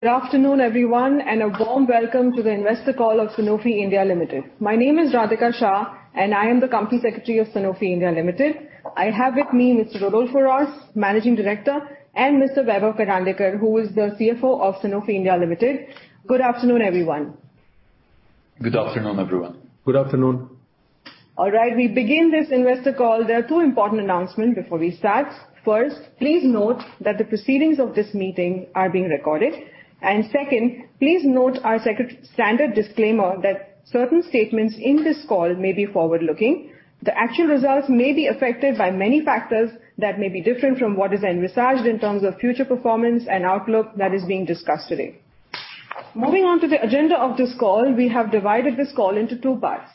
Good afternoon, everyone, and a warm welcome to the investor call of Sanofi India Limited. My name is Radhika Shah, and I am the Company Secretary of Sanofi India Limited. I have with me Mr. Rodolfo Hrosz, Managing Director, and Mr. Vaibhav Karandikar, who is the CFO of Sanofi India Limited. Good afternoon, everyone. Good afternoon, everyone. Good afternoon. All right. We begin this investor call. There are two important announcements before we start. First, please note that the proceedings of this meeting are being recorded. Second, please note our standard disclaimer that certain statements in this call may be forward-looking. The actual results may be affected by many factors that may be different from what is envisaged in terms of future performance and outlook that is being discussed today. Moving on to the agenda of this call, we have divided this call into two parts.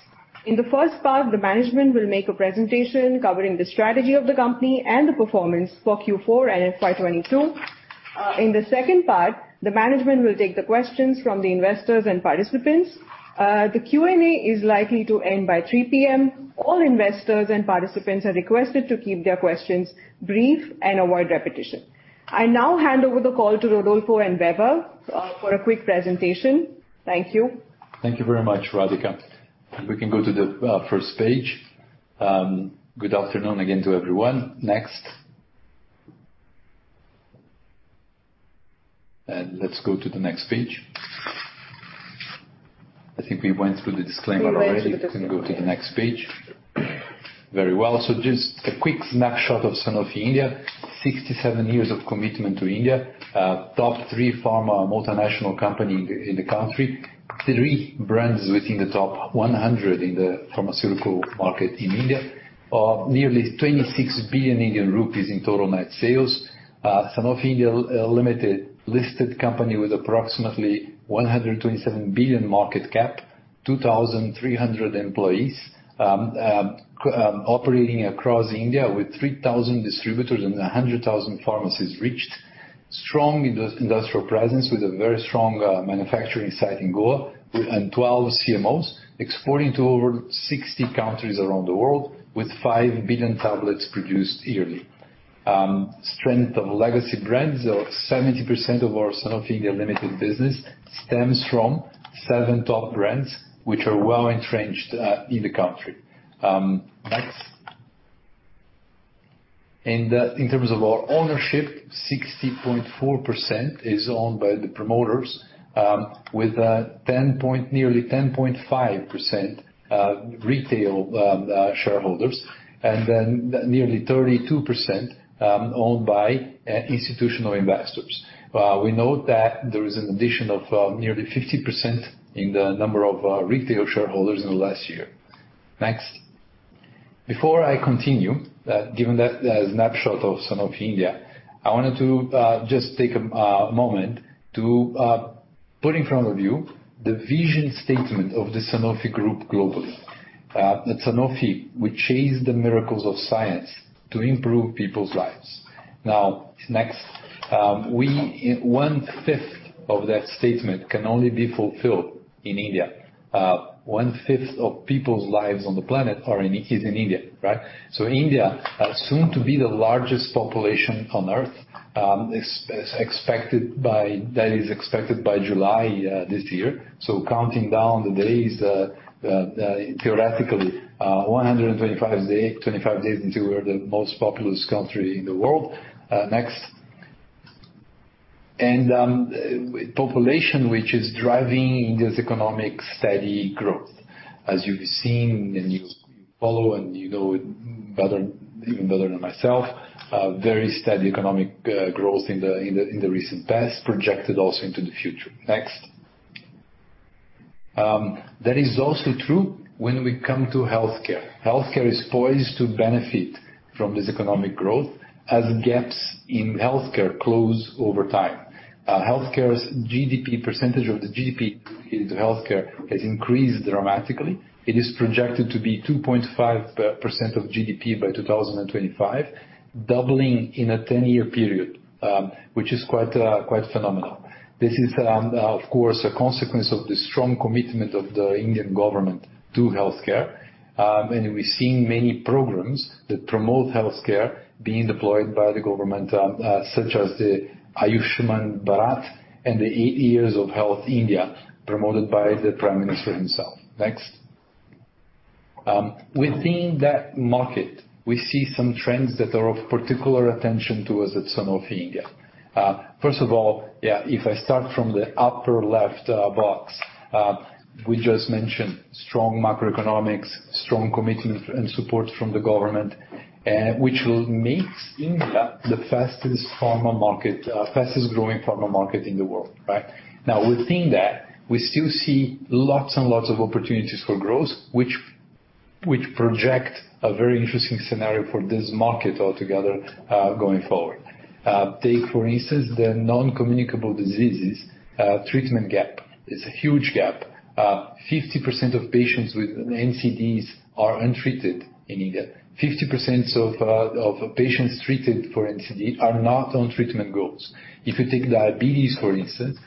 In the first part, the management will make a presentation covering the strategy of the company and the performance for Q4 and in FY 2022. In the second part, the management will take the questions from the investors and participants. The Q&A is likely to end by 3:00 P.M. All investors and participants are requested to keep their questions brief and avoid repetition. I now hand over the call to Rodolfo and Vaibhav for a quick presentation. Thank you. Thank you very much, Radhika. We can go to the first page. Good afternoon again to everyone. Next. Let's go to the next page. I think we went through the disclaimer already. We went through the disclaimer. We can go to the next page. Very well. Just a quick snapshot of Sanofi India. 67 years of commitment to India. Top three pharma multinational company in the country. Three brands within the top 100 in the pharmaceutical market in India. Nearly 26 billion Indian rupees in total net sales. Sanofi India Limited listed company with approximately 127 billion market cap, 2,300 employees. Operating across India with 3,000 distributors and 100,000 pharmacies reached. Strong industrial presence with a very strong manufacturing site in Goa and 12 CMOs. Exporting to over 60 countries around the world with 5 billion tablets produced yearly. Strength of legacy brands of 70% of our Sanofi India Limited business stems from seven top brands which are well-entrenched in the country. Next. In terms of our ownership, 60.4% is owned by the promoters, with nearly 10.5% retail shareholders, and then nearly 32% owned by institutional investors. We note that there is an addition of nearly 50% in the number of retail shareholders in the last year. Next. Before I continue, given that the snapshot of Sanofi India, I wanted to just take a moment to put in front of you the vision statement of the Sanofi Group globally. At Sanofi, we chase the miracles of science to improve people's lives. Next. One-fifth of that statement can only be fulfilled in India. One-fifth of people's lives on the planet is in India, right? India, soon to be the largest population on Earth, that is expected by July this year. Counting down the days, 125 days until we're the most populous country in the world. Next. Population which is driving India's economic steady growth, as you've seen and you follow and you know it better, even better than myself, very steady economic growth in the recent past, projected also into the future. Next. That is also true when we come to healthcare. Healthcare is poised to benefit from this economic growth as gaps in healthcare close over time. Healthcare's GDP, percentage of the GDP into healthcare has increased dramatically. It is projected to be 2.5% of GDP by 2025, doubling in a 10-year period, which is quite phenomenal. This is, of course, a consequence of the strong commitment of the Indian government to healthcare. We've seen many programs that promote healthcare being deployed by the government, such as the Ayushman Bharat and the Eight Years of Health India, promoted by the Prime Minister himself. Next. Within that market, we see some trends that are of particular attention to us at Sanofi India. First of all, yeah, if I start from the upper left box, we just mentioned strong macroeconomics, strong commitment and support from the government, which will make India the fastest pharma market, fastest-growing pharma market in the world, right? Within that, we still see lots and lots of opportunities for growth, which project a very interesting scenario for this market altogether, going forward. Take, for instance, the non-communicable diseases treatment gap. It's a huge gap. 50% of patients with NCDs are untreated in India. 50% of patients treated for NCD are not on treatment goals. If you take diabetes, for instance,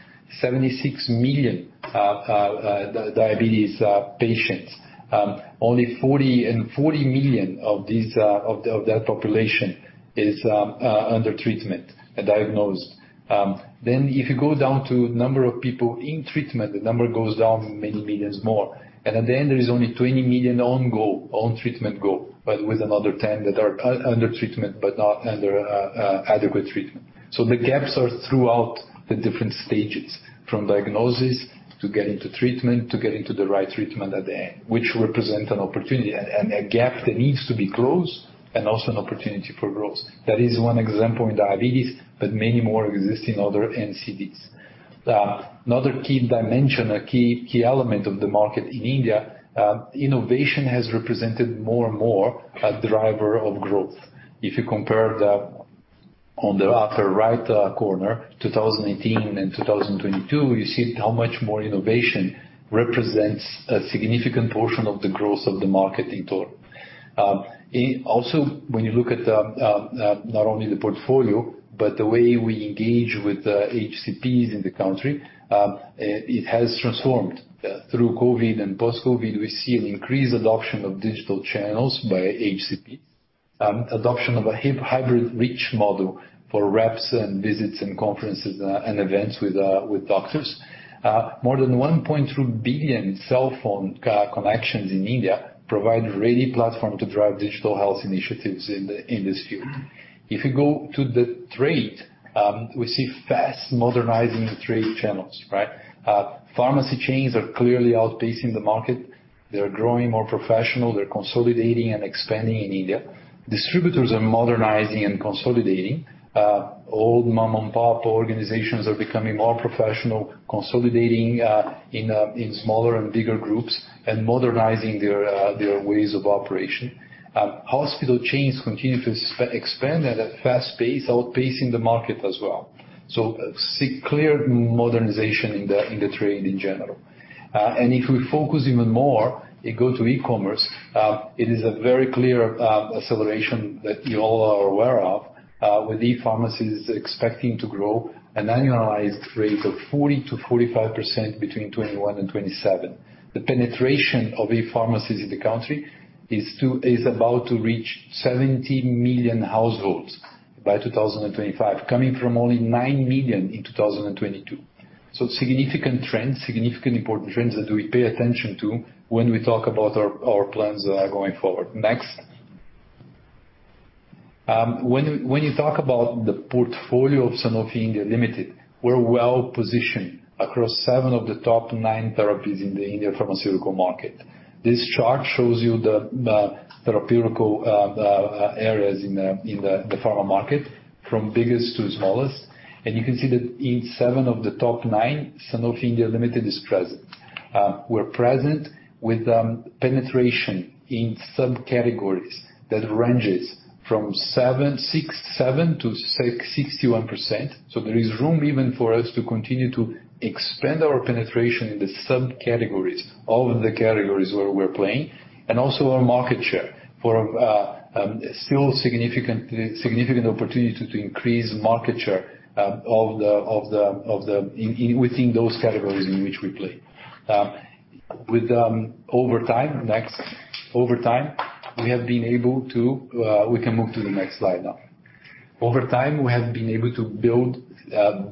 76 million diabetes patients. Only 40 million of these of that population is under treatment and diagnosed. Then if you go down to number of people in treatment, the number goes down many millions more. At the end, there is only 20 million on goal, on treatment goal, but with another 10 that are under treatment but not under adequate treatment. The gaps are throughout the different stages, from diagnosis to getting to treatment to getting to the right treatment at the end, which represent an opportunity and a gap that needs to be closed and also an opportunity for growth. That is one example in diabetes, but many more exist in other NCDs. Another key dimension, a key element of the market in India, innovation has represented more and more a driver of growth. If you compare the, on the upper right, corner, 2018 and 2022, you see how much more innovation represents a significant portion of the growth of the market in total. Also, when you look at the, not only the portfolio, but the way we engage with the HCPs in the country, it has transformed. Through COVID and post-COVID, we see an increased adoption of digital channels by HCP, adoption of a hybrid reach model for reps and visits and conferences and events with doctors. More than 1.2 billion cell phone connections in India provide ready platform to drive digital health initiatives in this field. If you go to the trade, we see fast modernizing trade channels, right? Pharmacy chains are clearly outpacing the market. They are growing more professional. They're consolidating and expanding in India. Distributors are modernizing and consolidating. Old mom-and-pop organizations are becoming more professional, consolidating in smaller and bigger groups and modernizing their ways of operation. Hospital chains continue to expand at a fast pace, outpacing the market as well. See clear modernization in the trade in general. If we focus even more and go to e-commerce, it is a very clear acceleration that you all are aware of, with e-pharmacies expecting to grow an annualized rate of 40%-45% between 2021 and 2027. The penetration of e-pharmacies in the country is about to reach 70 million households by 2025, coming from only 9 million in 2022. Significant trends, significant important trends that we pay attention to when we talk about our plans going forward. Next. When you talk about the portfolio of Sanofi India Limited, we're well-positioned across seven of the top nine therapies in the India pharmaceutical market. This chart shows you the therapeutical areas in the pharma market from biggest to smallest. You can see that in seven of the top nine, Sanofi India Limited is present. We're present with penetration in subcategories that ranges from 7, 6, 7 to 61%. There is room even for us to continue to expand our penetration in the subcategories, all of the categories where we're playing, and also our market share for still significant opportunity to increase market share of the... within those categories in which we play. With... Over time, next. Over time, we have been able to... We can move to the next slide now. Over time, we have been able to build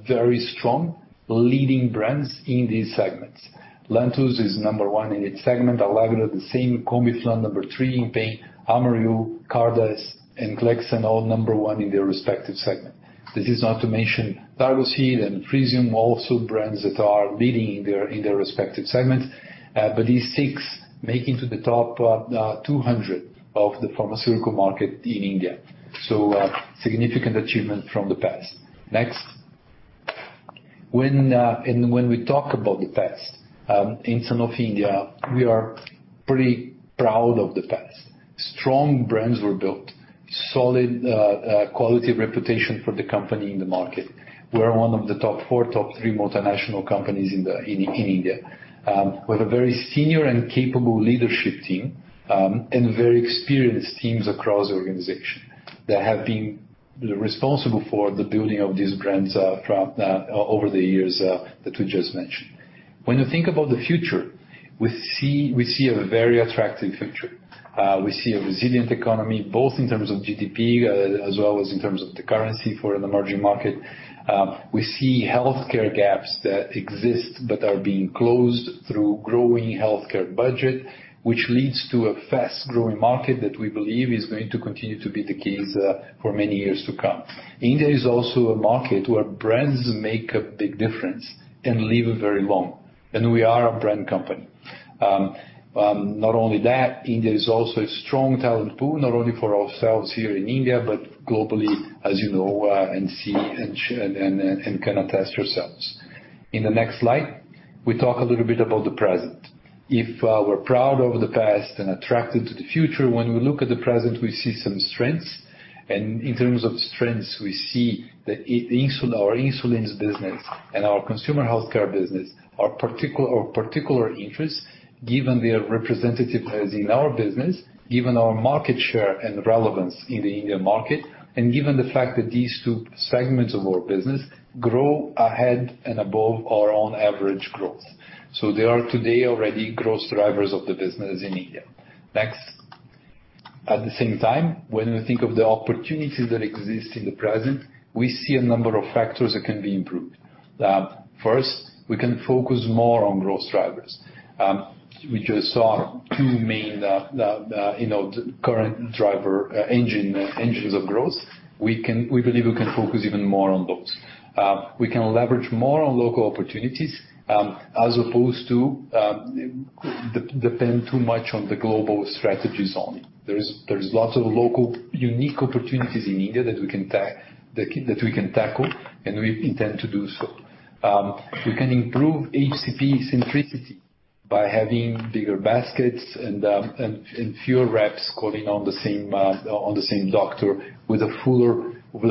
very strong leading brands in these segments. Lantus is number one in its segment. Allegra, the same. Combiflam, number three in pain. Amaryl, Cardace, and Clexane, all number one in their respective segment. This is not to mention Tagrisso and Frisium, also brands that are leading in their respective segments. These six make it to the top 200 of the pharmaceutical market in India. Significant achievement from the past. Next. When we talk about the past, in Sanofi India, we are pretty proud of the past. Strong brands were built, solid quality reputation for the company in the market. We're one of the top four, top three multinational companies in India. With a very senior and capable leadership team, and very experienced teams across the organization that have been responsible for the building of these brands throughout over the years that we just mentioned. When you think about the future, we see a very attractive future. We see a resilient economy, both in terms of GDP, as well as in terms of the currency for an emerging market. We see healthcare gaps that exist but are being closed through growing healthcare budget, which leads to a fast-growing market that we believe is going to continue to be the case for many years to come. India is also a market where brands make a big difference and live very long, and we are a brand company. Not only that, India is also a strong talent pool, not only for ourselves here in India, but globally, as you know, and see and can attest yourselves. In the next slide, we talk a little bit about the present. If we're proud of the past and attracted to the future, when we look at the present, we see some strengths. In terms of strengths, we see that insulin, our insulin business and our consumer healthcare business are particular interests given their representativeness in our business, given our market share and relevance in the India market, and given the fact that these two segments of our business grow ahead and above our own average growth. They are today already growth drivers of the business in India. Next. At the same time, when we think of the opportunities that exist in the present, we see a number of factors that can be improved. First, we can focus more on growth drivers. We just saw two main, you know, engines of growth. We believe we can focus even more on those. We can leverage more on local opportunities, as opposed to depend too much on the global strategies only. There is lots of local unique opportunities in India that we can tackle, and we intend to do so. We can improve HCP centricity by having bigger baskets and fewer reps calling on the same doctor with a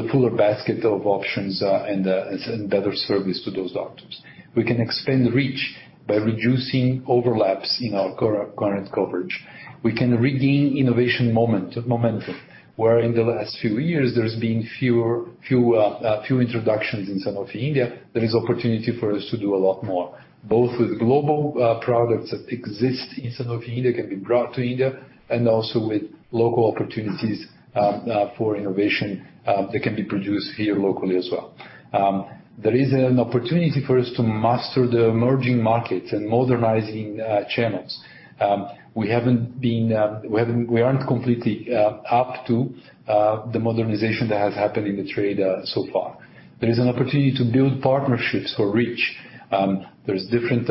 fuller basket of options and better service to those doctors. We can expand the reach by reducing overlaps in our current coverage. We can regain innovation momentum, where in the last few years there's been fewer introductions in Sanofi India. There is opportunity for us to do a lot more, both with global products that exist in Sanofi India can be brought to India, and also with local opportunities for innovation that can be produced here locally as well. There is an opportunity for us to master the emerging markets and modernizing channels. We haven't been, we aren't completely up to the modernization that has happened in the trade so far. There is an opportunity to build partnerships for reach. There's different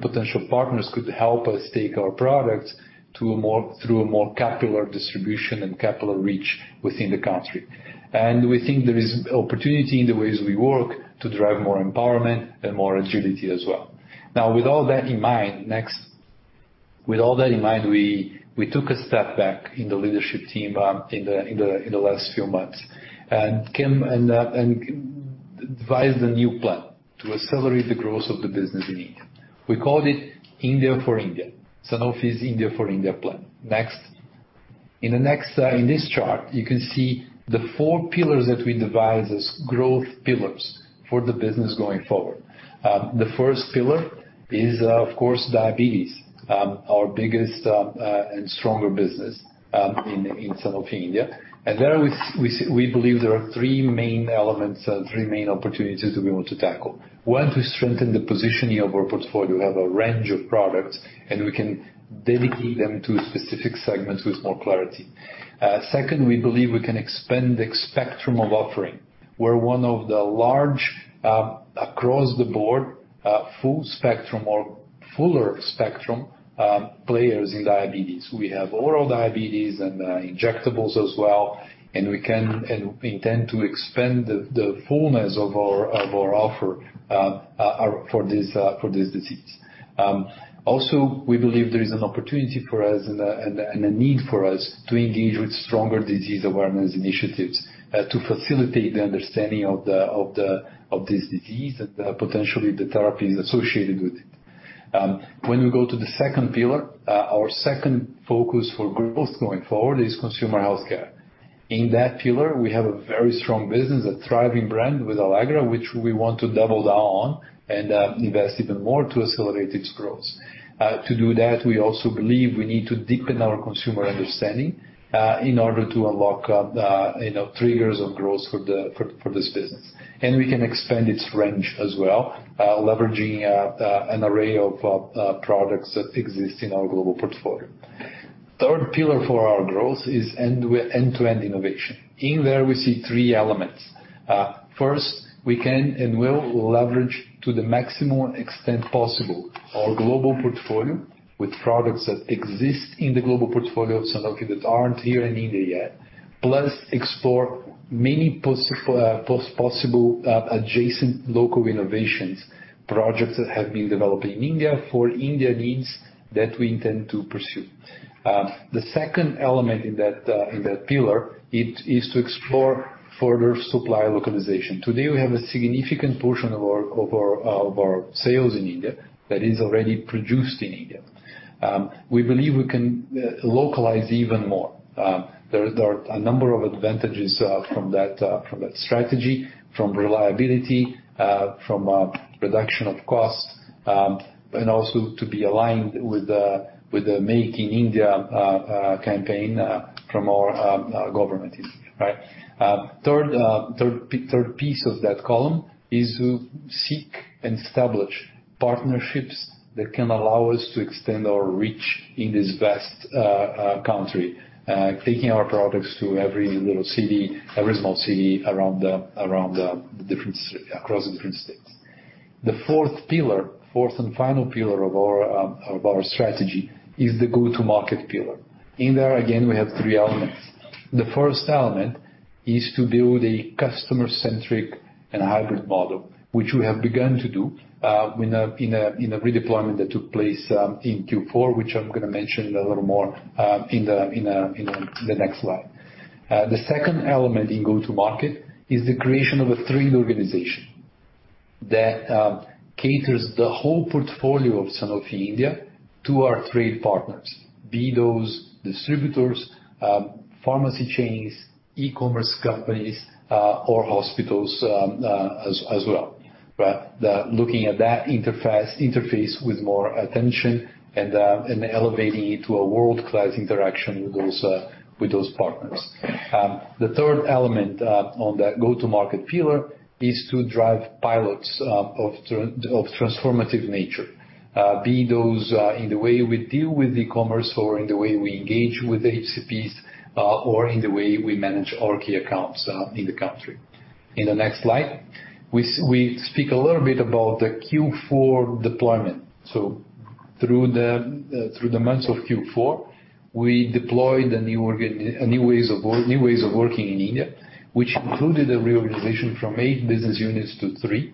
potential partners could help us take our products to a more... through a more capital distribution and capital reach within the country. We think there is opportunity in the ways we work to drive more empowerment and more agility as well. With all that in mind... Next. With all that in mind, we took a step back in the leadership team in the last few months and came and devised a new plan to accelerate the growth of the business in India. We called it India for India. Sanofi's India for India plan. Next. In the next, in this chart, you can see the four pillars that we devised as growth pillars for the business going forward. The first pillar is, of course, diabetes, our biggest and stronger business in Sanofi India. There we believe there are three main elements and three main opportunities that we want to tackle. One, to strengthen the positioning of our portfolio. We have a range of products, and we can dedicate them to specific segments with more clarity. Second, we believe we can expand the spectrum of offering. We're one of the large, across-the-board, full spectrum or fuller spectrum, players in diabetes. We have oral diabetes and injectables as well, and we can and intend to expand the fullness of our, of our offer for this, for this disease. Also, we believe there is an opportunity for us and a, and a, and a need for us to engage with stronger disease awareness initiatives to facilitate the understanding of the, of the, of this disease and potentially the therapies associated with it. When we go to the second pillar, our second focus for growth going forward is consumer healthcare. In that pillar, we have a very strong business, a thriving brand with Allegra, which we want to double down on and invest even more to accelerate its growth. To do that, we also believe we need to deepen our consumer understanding, in order to unlock, you know, triggers of growth for this business. We can expand its range as well, leveraging, an array of, products that exist in our global portfolio. Third pillar for our growth is end-to-end innovation. In there, we see three elements. First, we can and will leverage to the maximum extent possible our global portfolio with products that exist in the global portfolio of Sanofi that aren't here in India yet, plus explore many possible adjacent local innovations, projects that have been developed in India for India needs that we intend to pursue. The second element in that pillar it is to explore further supply localization. Today, we have a significant portion of our sales in India that is already produced in India. We believe we can localize even more. There are a number of advantages from that strategy, from reliability, from reduction of cost, and also to be aligned with the Make in India campaign from our government in India, right? Third piece of that column is to seek and establish partnerships that can allow us to extend our reach in this vast country, taking our products to every little city, every small city across the different states. The fourth pillar, fourth and final pillar of our strategy is the go-to-market pillar. In there, again, we have three elements. The first element is to build a customer-centric and hybrid model, which we have begun to do in a redeployment that took place in Q4, which I'm gonna mention a little more in the next slide. The second element in go-to-market is the creation of a trade organization that caters the whole portfolio of Sanofi India to our trade partners, be those distributors, pharmacy chains, e-commerce companies, or hospitals, as well. Looking at that interface with more attention and elevating it to a world-class interaction with those with those partners. The third element on that go-to-market pillar is to drive pilots of transformative nature. Be those in the way we deal with e-commerce or in the way we engage with the HCPs, or in the way we manage our key accounts in the country. In the next slide, we speak a little bit about the Q4 deployment. Through the months of Q4, we deployed the new ways of working in India, which included a reorganization from eight business units to three.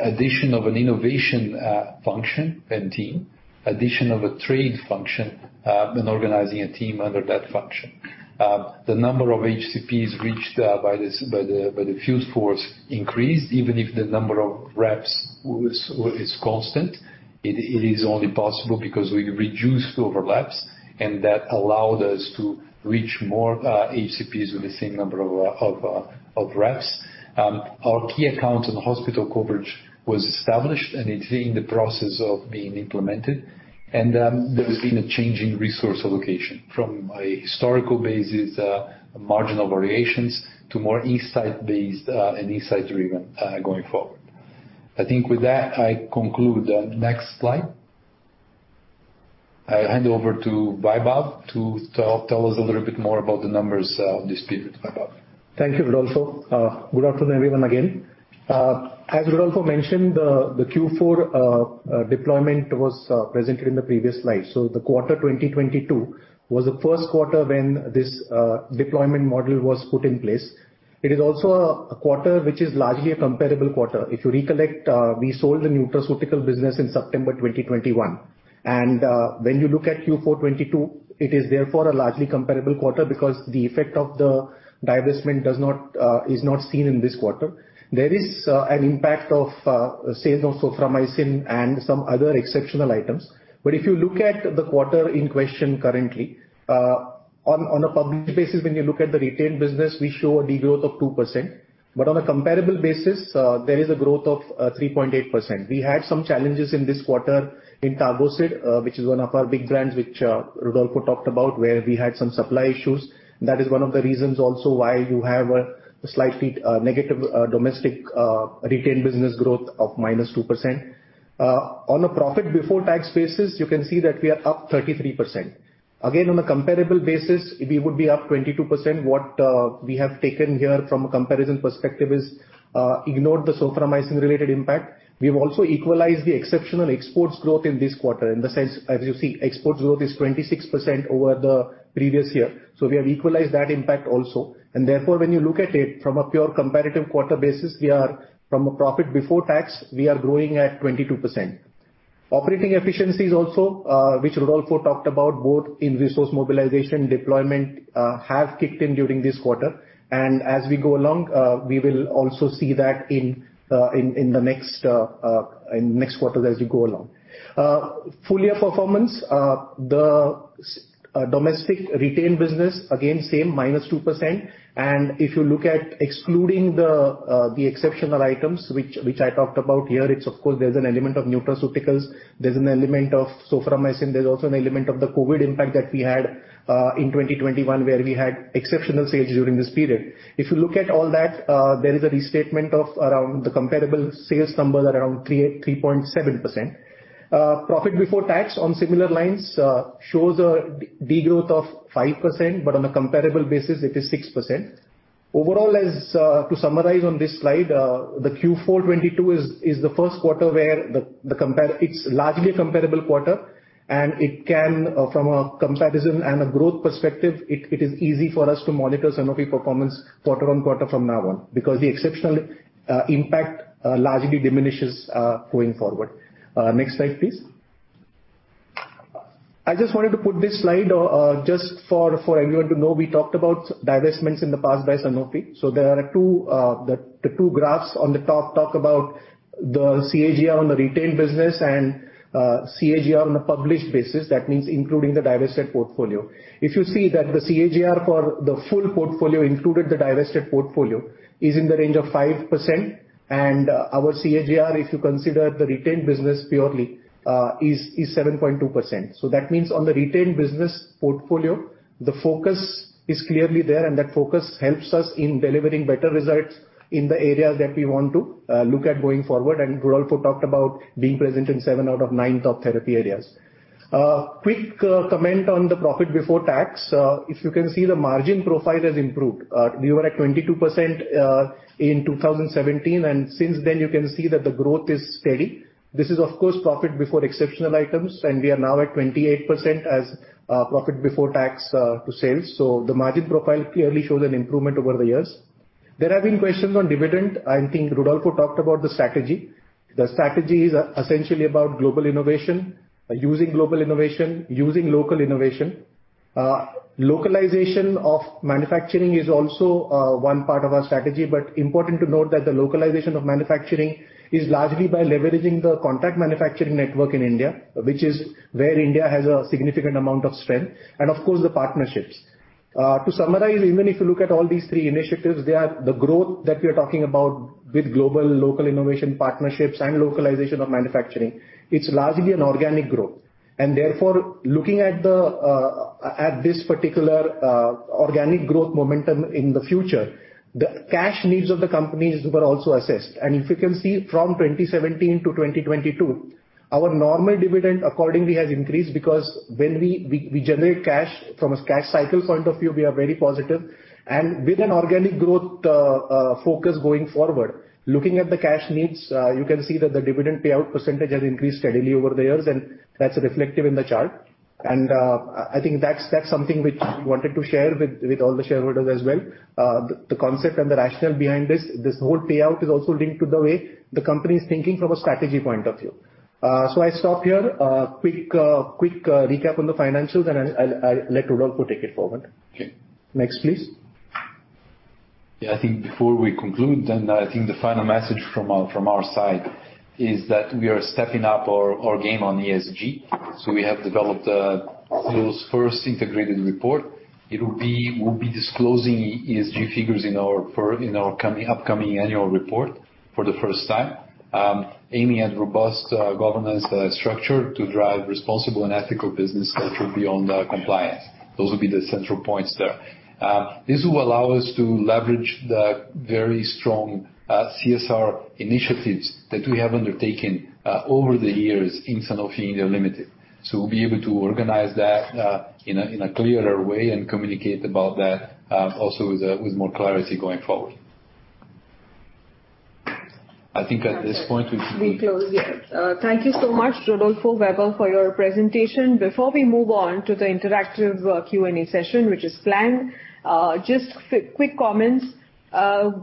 Addition of an innovation function and team, addition of a trade function, and organizing a team under that function. The number of HCPs reached by the field force increased, even if the number of reps was constant. It is only possible because we reduced overlaps, and that allowed us to reach more HCPs with the same number of reps. Our key accounts and hospital coverage was established, and it's in the process of being implemented. There has been a change in resource allocation from a historical basis, marginal variations to more insight-based, and insight-driven, going forward. I think with that, I conclude. Next slide. I hand over to Vaibhav to tell us a little bit more about the numbers, this period. Vaibhav. Thank you, Rodolfo. Good afternoon, everyone, again. As Rodolfo mentioned, the Q4 deployment was presented in the previous slide. The quarter 2022 was the first quarter when this deployment model was put in place. It is also a quarter which is largely a comparable quarter. If you recollect, we sold the nutraceutical business in September 2021. When you look at Q4 2022, it is therefore a largely comparable quarter because the effect of the divestment does not, is not seen in this quarter. There is, an impact of, sales of Soframycin and some other exceptional items. If you look at the quarter in question currently, on a public basis, when you look at the retail business, we show a de-growth of 2%, but on a comparable basis, there is a growth of 3.8%. We had some challenges in this quarter in Tagamet, which is one of our big brands, which Rodolfo talked about, where we had some supply issues. That is one of the reasons also why you have a slightly negative domestic retail business growth of -2%. On a profit before tax basis, you can see that we are up 33%. Again, on a comparable basis, we would be up 22%. What we have taken here from a comparison perspective is ignored the Soframycin-related impact. We've also equalized the exceptional exports growth in this quarter. In the sense, as you see, export growth is 26% over the previous year. We have equalized that impact also. Therefore, when you look at it from a pure comparative quarter basis, we are from a profit before tax, we are growing at 22%. Operating efficiencies also, which Rodolfo talked about, both in resource mobilization, deployment, have kicked in during this quarter. As we go along, we will also see that in the next quarter as we go along. Full-year performance, the domestic retail business, again, same -2%. If you look at excluding the exceptional items which I talked about here, it's of course there's an element of nutraceuticals, there's an element of Soframycin, there's also an element of the COVID impact that we had in 2021, where we had exceptional sales during this period. If you look at all that, there is a restatement of around the comparable sales number at around 3.7%. Profit before tax on similar lines shows a de-growth of 5%, but on a comparable basis it is 6%. Overall, as to summarize on this slide, the Q4 2022 is the first quarter where it's largely a comparable quarter, and it can, from a comparison and a growth perspective, it is easy for us to monitor Sanofi performance quarter on quarter from now on, because the exceptional impact largely diminishes going forward. Next slide, please. I just wanted to put this slide just for everyone to know, we talked about divestments in the past by Sanofi. There are two, the two graphs on the top talk about the CAGR on the retail business and CAGR on the published basis, that means including the divested portfolio. If you see that the CAGR for the full portfolio included the divested portfolio is in the range of 5%, and our CAGR, if you consider the retained business purely, is 7.2%. That means on the retained business portfolio, the focus is clearly there, and that focus helps us in delivering better results in the areas that we want to look at going forward. Rodolfo talked about being present in seven out of nine top therapy areas. Quick comment on the profit before tax. If you can see, the margin profile has improved. We were at 22% in 2017, and since then, you can see that the growth is steady. This is of course profit before exceptional items, and we are now at 28% as profit before tax to sales. The margin profile clearly shows an improvement over the years. There have been questions on dividend. I think Rodolfo talked about the strategy. The strategy is essentially about global innovation, using global innovation, using local innovation. Localization of manufacturing is also one part of our strategy, but important to note that the localization of manufacturing is largely by leveraging the contract manufacturing network in India, which is where India has a significant amount of strength. Of course, the partnerships. To summarize, even if you look at all these three initiatives, they are the growth that we are talking about with global local innovation partnerships and localization of manufacturing. It's largely an organic growth and therefore looking at the at this particular organic growth momentum in the future, the cash needs of the companies were also assessed. If you can see from 2017 to 2022, our normal dividend accordingly has increased because when we generate cash from a cash cycle point of view, we are very positive. With an organic growth focus going forward, looking at the cash needs, you can see that the dividend payout percentage has increased steadily over the years, and that's reflective in the chart. I think that's something which we wanted to share with all the shareholders as well. The concept and the rationale behind this whole payout is also linked to the way the company is thinking from a strategy point of view. I stop here. Quick recap on the financials and I'll let Rodolfo take it forward. Okay. Next, please. Yeah, I think before we conclude, I think the final message from our side is that we are stepping up our game on ESG. We have developed those first integrated report. We'll be disclosing ESG figures in our coming, upcoming annual report for the first time. Aiming at robust governance structure to drive responsible and ethical business culture beyond compliance. Those will be the central points there. This will allow us to leverage the very strong CSR initiatives that we have undertaken over the years in Sanofi India Limited. We'll be able to organize that in a clearer way and communicate about that also with more clarity going forward. I think at this point. We close, yeah. Thank you so much Rodolfo, Vaibhav for your presentation. Before we move on to the interactive Q&A session, which is planned, just quick comments.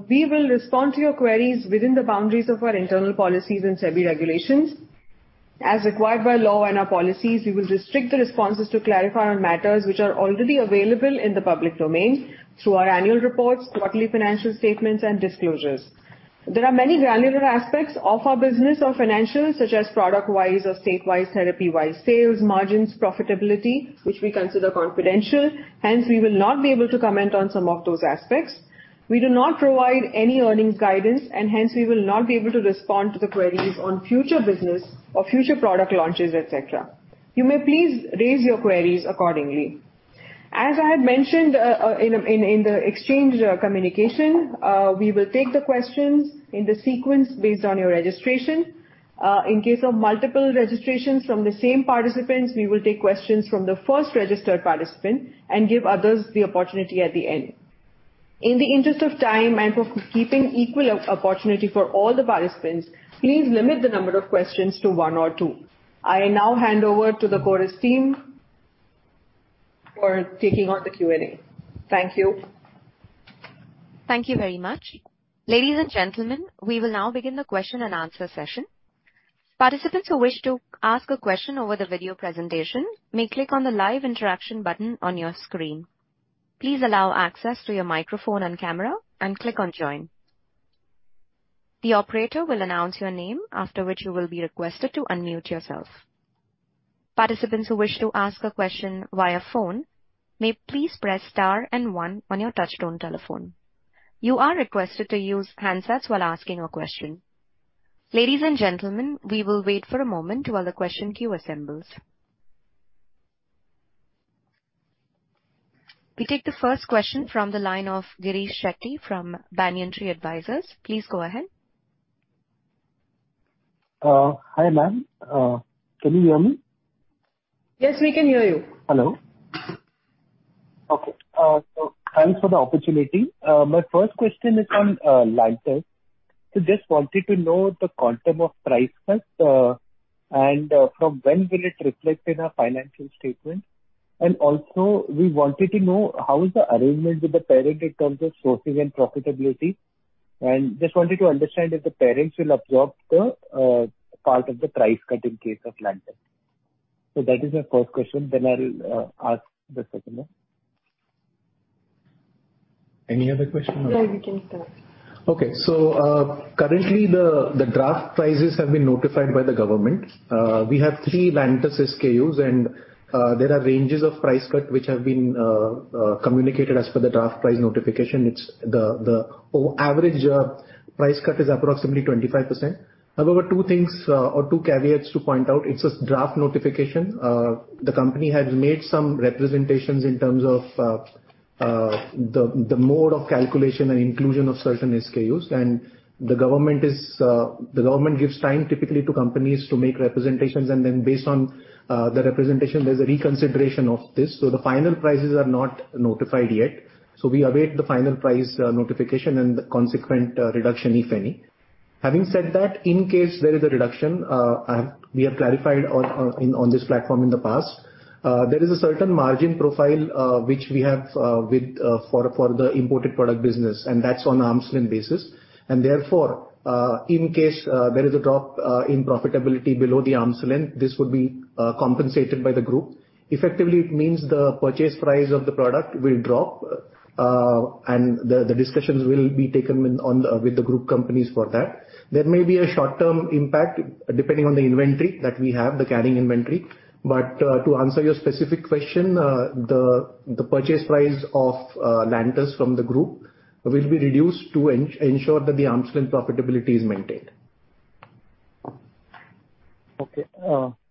We will respond to your queries within the boundaries of our internal policies and SEBI regulations. As required by law and our policies, we will restrict the responses to clarify on matters which are already available in the public domain through our annual reports, quarterly financial statements and disclosures. There are many granular aspects of our business or financials such as product wise or state wise, therapy wise, sales, margins, profitability, which we consider confidential, hence, we will not be able to comment on some of those aspects. We do not provide any earnings guidance and hence we will not be able to respond to the queries on future business or future product launches, et cetera. You may please raise your queries accordingly. As I had mentioned, in the exchange communication, we will take the questions in the sequence based on your registration. In case of multiple registrations from the same participants, we will take questions from the first registered participant and give others the opportunity at the end. In the interest of time and for keeping equal opportunity for all the participants, please limit the number of questions to one or two. I now hand over to the Chorus team for taking on the Q&A. Thank you. Thank you very much. Ladies and gentlemen, we will now begin the question and answer session. Participants who wish to ask a question over the video presentation may click on the live interaction button on your screen. Please allow access to your microphone and camera and click on Join. The operator will announce your name, after which you will be requested to unmute yourself. Participants who wish to ask a question via phone may please press star and one on your touchtone telephone. You are requested to use handsets while asking a question. Ladies and gentlemen, we will wait for a moment while the question queue assembles. We take the first question from the line of Girish Shetty from Banyan Tree Advisors. Please go ahead. Hi, ma'am. Can you hear me? Yes, we can hear you. Hello. Okay. Thanks for the opportunity. My first question is on Lantus. Just wanted to know the quantum of price cut and from when will it reflect in our financial statement? Also we wanted to know how is the arrangement with the parent in terms of sourcing and profitability? Just wanted to understand if the parents will absorb the part of the price cut in case of Lantus. That is my first question, I'll ask the second one. Any other question? Yeah, you can start. Currently the draft prices have been notified by the government. We have three Lantus SKUs, there are ranges of price cut which have been communicated as per the draft price notification. The average price cut is approximately 25%. Two things or two caveats to point out, it's a draft notification. The company has made some representations in terms of the mode of calculation and inclusion of certain SKUs. The government gives time typically to companies to make representations, based on the representation, there's a reconsideration of this. The final prices are not notified yet. We await the final price notification and the consequent reduction, if any. Having said that, in case there is a reduction, we have clarified on this platform in the past. There is a certain margin profile, which we have for the imported product business, and that's on arm's length basis. Therefore, in case there is a drop in profitability below the arm's length, this would be compensated by the group. Effectively, it means the purchase price of the product will drop. The discussions will be taken with the group companies for that. There may be a short-term impact depending on the inventory that we have, the carrying inventory. To answer your specific question, the purchase price of Lantus from the group will be reduced to ensure that the arm's length profitability is maintained.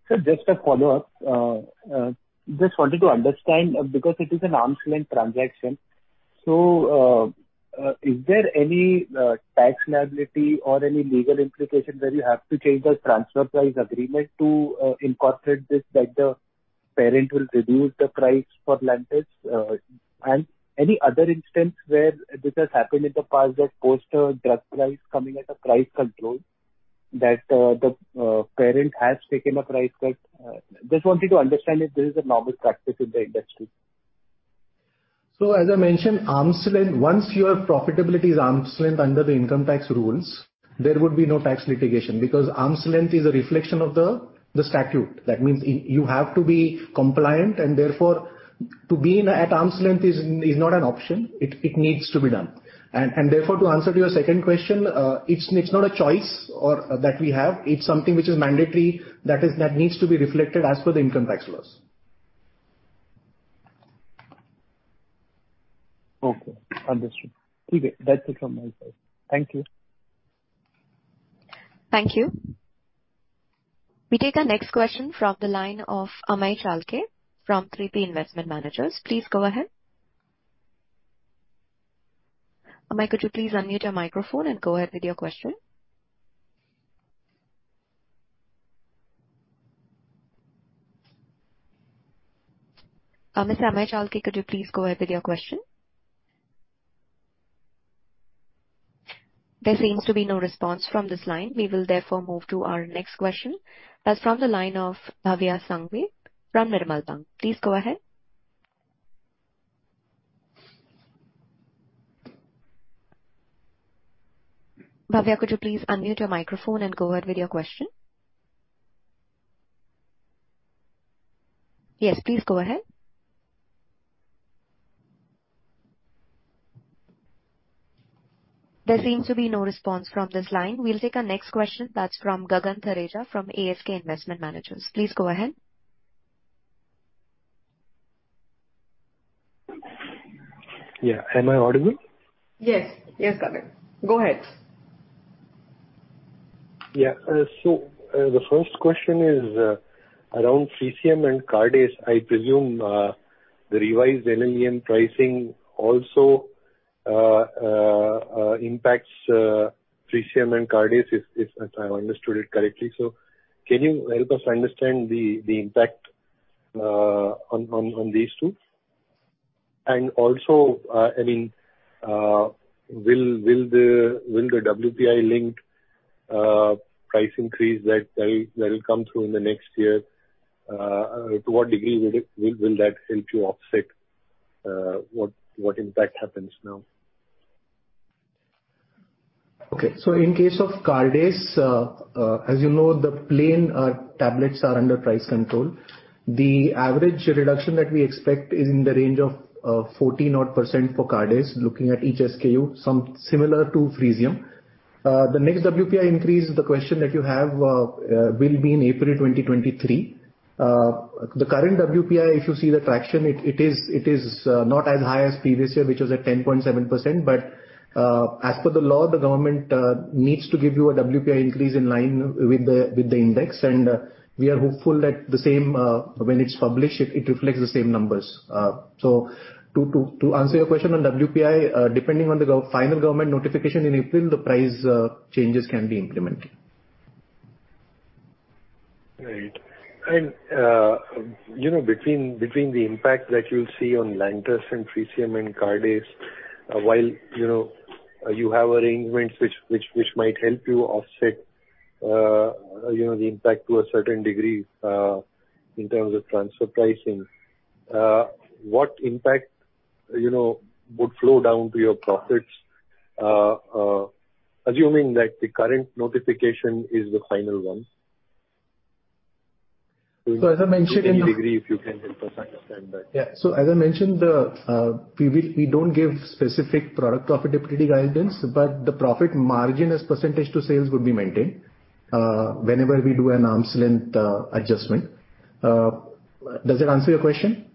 Just wanted to understand, because it is an arm's length transaction, is there any tax liability or any legal implication where you have to change the transfer price agreement to incorporate this, that the parent will reduce the price for Lantus? And any other instance where this has happened in the past that post a drug price coming at a price control that the parent has taken a price cut? Just wanted to understand if this is a normal practice in the industry. As I mentioned, arm's length, once your profitability is arm's length under the income tax rules, there would be no tax litigation because arm's length is a reflection of the statute. That means you have to be compliant and therefore to be at arm's length is not an option. It needs to be done. Therefore, to answer to your second question, it's not a choice or that we have. It's something which is mandatory that needs to be reflected as per the income tax laws. Okay. Understood. Okay. That's it from my side. Thank you. Thank you. We take our next question from the line of Amey Chalke from 3P Investment Managers. Please go ahead. Amey, could you please unmute your microphone and go ahead with your question? Mr. Amey Chalke, could you please go ahead with your question? There seems to be no response from this line. We will therefore move to our next question. That's from the line of Bhavya Sanghavi from Nirmal Bang. Please go ahead. Bhavya, could you please unmute your microphone and go ahead with your question? Yes, please go ahead. There seems to be no response from this line. We'll take our next question. That's from Gagan Thareja from ASK Investment Managers. Please go ahead. Yeah. Am I audible? Yes. Yes, Gagan. Go ahead. The first question is around Tresiba and Cardace. I presume the revised NLEM pricing also impacts Tresiba and Cardace, if I understood it correctly. Can you help us understand the impact on these two? Also, I mean, will the WPI link price increase that'll come through in the next year, to what degree will that help you offset what impact happens now? Okay. In case of Cardace, as you know, the plain tablets are under price control. The average reduction that we expect is in the range of 14% odd for Cardace, looking at each SKU, some similar to Tresiba. The next WPI increase, the question that you have, will be in April 2023. The current WPI, if you see the traction, it is not as high as previous year, which was at 10.7%. As per the law, the government needs to give you a WPI increase in line with the index. We are hopeful that the same, when it's published, it reflects the same numbers. To answer your question on WPI, depending on the final government notification in April, the price changes can be implemented. Right. You know, between the impact that you'll see on Lantus and Tresiba and Cardace, while, you know, you have arrangements which might help you offset, you know, the impact to a certain degree, in terms of transfer pricing, what impact, you know, would flow down to your profits, assuming that the current notification is the final one? As I mentioned. To what degree, if you can help us understand that? Yeah. As I mentioned, we don't give specific product profitability guidance, but the profit margin as percentage to sales would be maintained whenever we do an arm's length adjustment. Does that answer your question?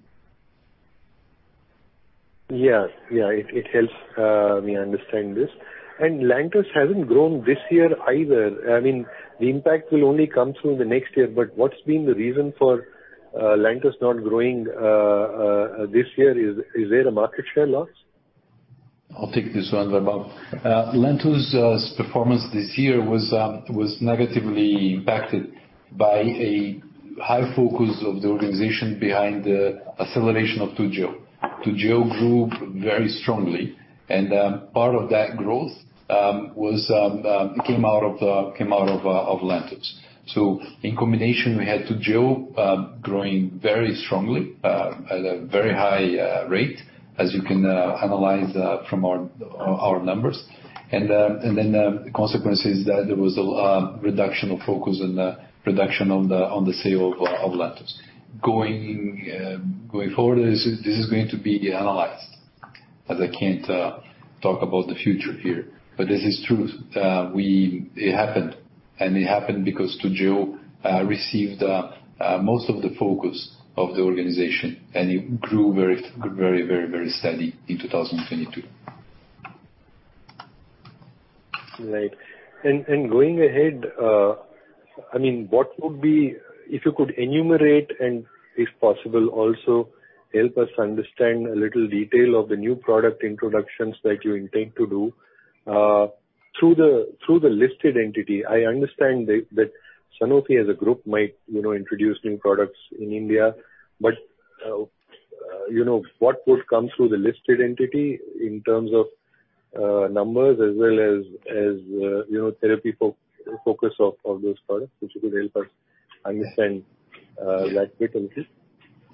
Yes. Yeah. It, it helps me understand this. Lantus hasn't grown this year either. I mean, the impact will only come through in the next year, what's been the reason for Lantus not growing this year? Is there a market share loss? I'll take this one, Vimal. Lantus' performance this year was negatively impacted by a high focus of the organization behind the acceleration of Toujeo. Toujeo grew very strongly, part of that growth came out of Lantus. In combination, we had Toujeo growing very strongly at a very high rate, as you can analyze from our numbers. The consequence is that there was a reduction of focus and reduction on the sale of Lantus. Going forward, this is going to be analyzed. As I can't talk about the future here. This is true. It happened. It happened because Toujeo received most of the focus of the organization. It grew very steady in 2022. Right. Going ahead, I mean, if you could enumerate and if possible, also help us understand a little detail of the new product introductions that you intend to do through the listed entity? I understand that Sanofi as a group might, you know, introduce new products in India, but, you know, what would come through the listed entity in terms of numbers as well as, you know, therapy focus of those products, if you could help us understand that bit a little?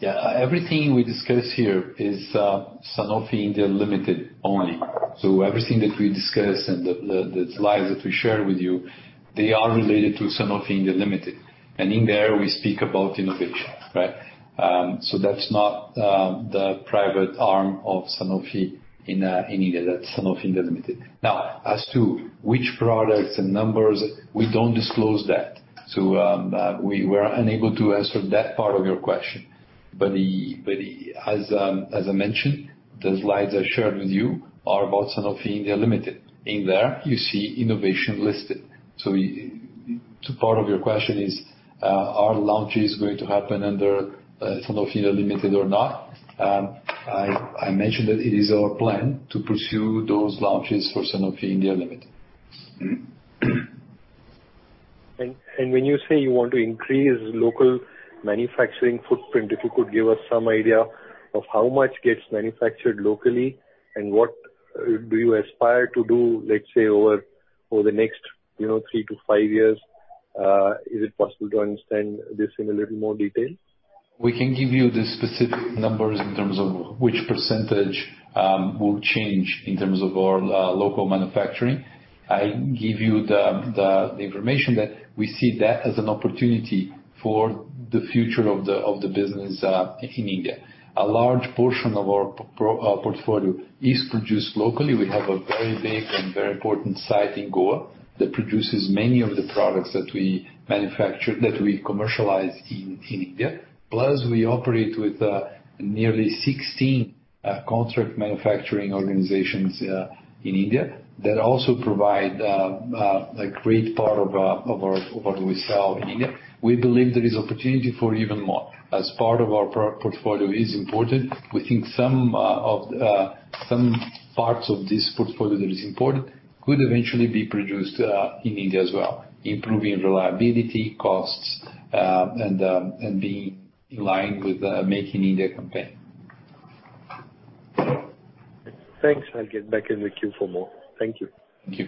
Yeah. Everything we discuss here is Sanofi India Limited only. Everything that we discuss and the, the slides that we share with you, they are related to Sanofi India Limited. And in there, we speak about innovation, right? That's not the private arm of Sanofi in India. That's Sanofi India Limited. Now, as to which products and numbers, we don't disclose that. We're unable to answer that part of your question. But the, but as I mentioned, the slides I shared with you are about Sanofi India Limited. In there, you see innovation listed. Part of your question is, are launches going to happen under Sanofi India Limited or not? I mentioned that it is our plan to pursue those launches for Sanofi India Limited. When you say you want to increase local manufacturing footprint, if you could give us some idea of how much gets manufactured locally, and what do you aspire to do, let's say, over the next, you know, 3 to 5 years, is it possible to understand this in a little more detail? We can give you the specific numbers in terms of which percentage will change in terms of our local manufacturing. I give you the information that we see that as an opportunity for the future of the business in India. A large portion of our portfolio is produced locally. We have a very big and very important site in Goa that produces many of the products that we manufacture, that we commercialize in India. Plus, we operate with nearly 16 contract manufacturing organizations in India that also provide a great part of what we sell in India. We believe there is opportunity for even more. As part of our pro-portfolio is imported, we think some of the some parts of this portfolio that is imported could eventually be produced in India as well, improving reliability, costs, and being in line with the Make in India campaign. Thanks. I'll get back in the queue for more. Thank you. Thank you.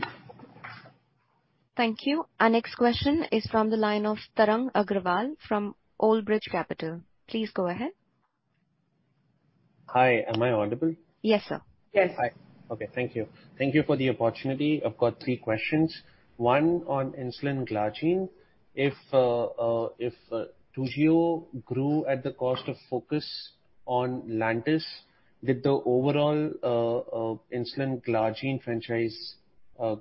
Thank you. Our next question is from the line of Tarang Agrawal from Old Bridge Capital. Please go ahead. Hi. Am I audible? Yes, sir. Yes. Hi. Okay. Thank you. Thank you for the opportunity. I've got three questions. One on insulin glargine. If Toujeo grew at the cost of focus on Lantus, did the overall insulin glargine franchise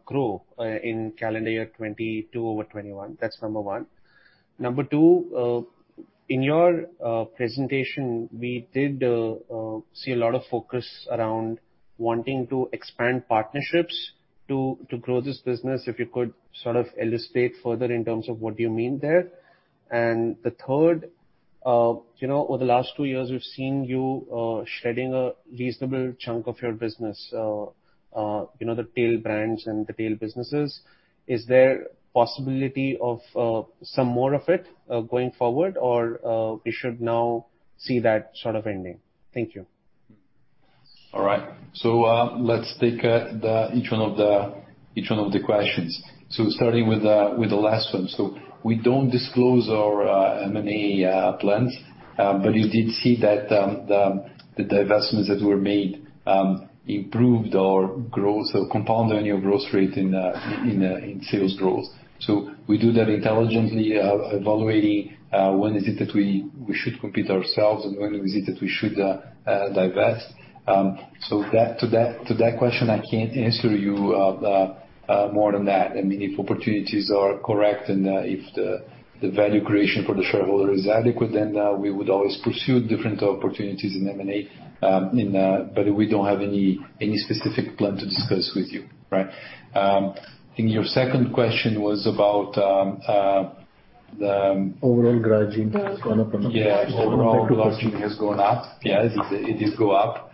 grow in calendar year 2022 over 2021? That's number one. Number two, in your presentation, we did see a lot of focus around wanting to expand partnerships to grow this business. If you could sort of illustrate further in terms of what you mean there. The third, you know, over the last two years, we've seen you shedding a reasonable chunk of your business, you know, the tail brands and the tail businesses. Is there possibility of some more of it going forward? We should now see that sort of ending. Thank you. All right. Let's take each one of the questions. Starting with the last one. We don't disclose our M&A plans, but you did see that the divestments that were made improved our growth or compound annual growth rate in sales growth. We do that intelligently, evaluating when is it that we should compete ourselves and when is it that we should divest. That, to that question, I can't answer you more than that. I mean, if opportunities are correct and if the value creation for the shareholder is adequate, then we would always pursue different opportunities in M&A, in... We don't have any specific plan to discuss with you, right? And your second question was about the. Overall glargine. Yeah. Overall glargine has gone up. Yeah. It is go up.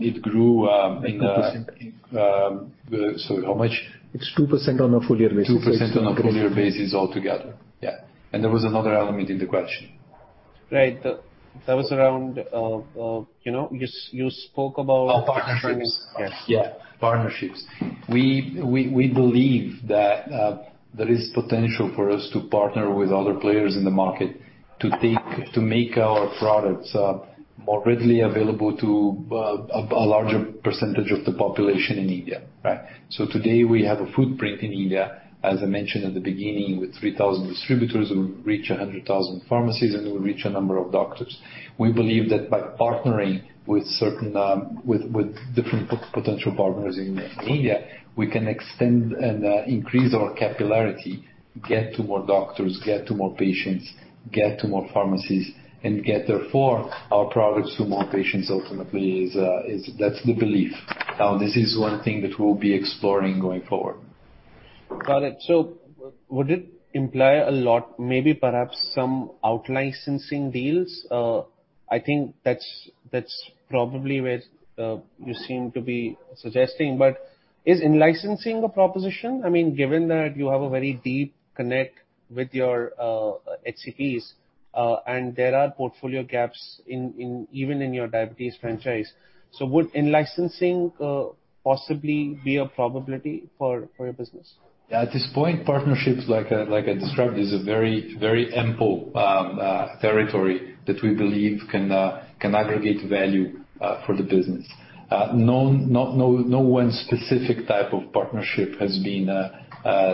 It grew in. 2%. Sorry, how much? It's 2% on a full year basis. 2% on a full year basis altogether. Yeah. There was another element in the question. Right. That was around, you know, you spoke about- Oh, partnerships. Yes. Partnerships. We believe that there is potential for us to partner with other players in the market to make our products More readily available to a larger percentage of the population in India, right. Today we have a footprint in India, as I mentioned at the beginning, with 3,000 distributors and we reach 100,000 pharmacies and we reach a number of doctors. We believe that by partnering with certain with different potential partners in India, we can extend and increase our capillarity, get to more doctors, get to more patients, get to more pharmacies and get therefore our products to more patients ultimately is that's the belief. This is one thing that we'll be exploring going forward. Got it. Would it imply a lot, maybe perhaps some out-licensing deals? I think that's probably where you seem to be suggesting. Is in-licensing a proposition? I mean, given that you have a very deep connect with your HCPs, and there are portfolio gaps in even in your diabetes franchise. Would in-licensing possibly be a probability for your business? At this point, partnerships like I described, is a very ample territory that we believe can aggregate value for the business. No one specific type of partnership has been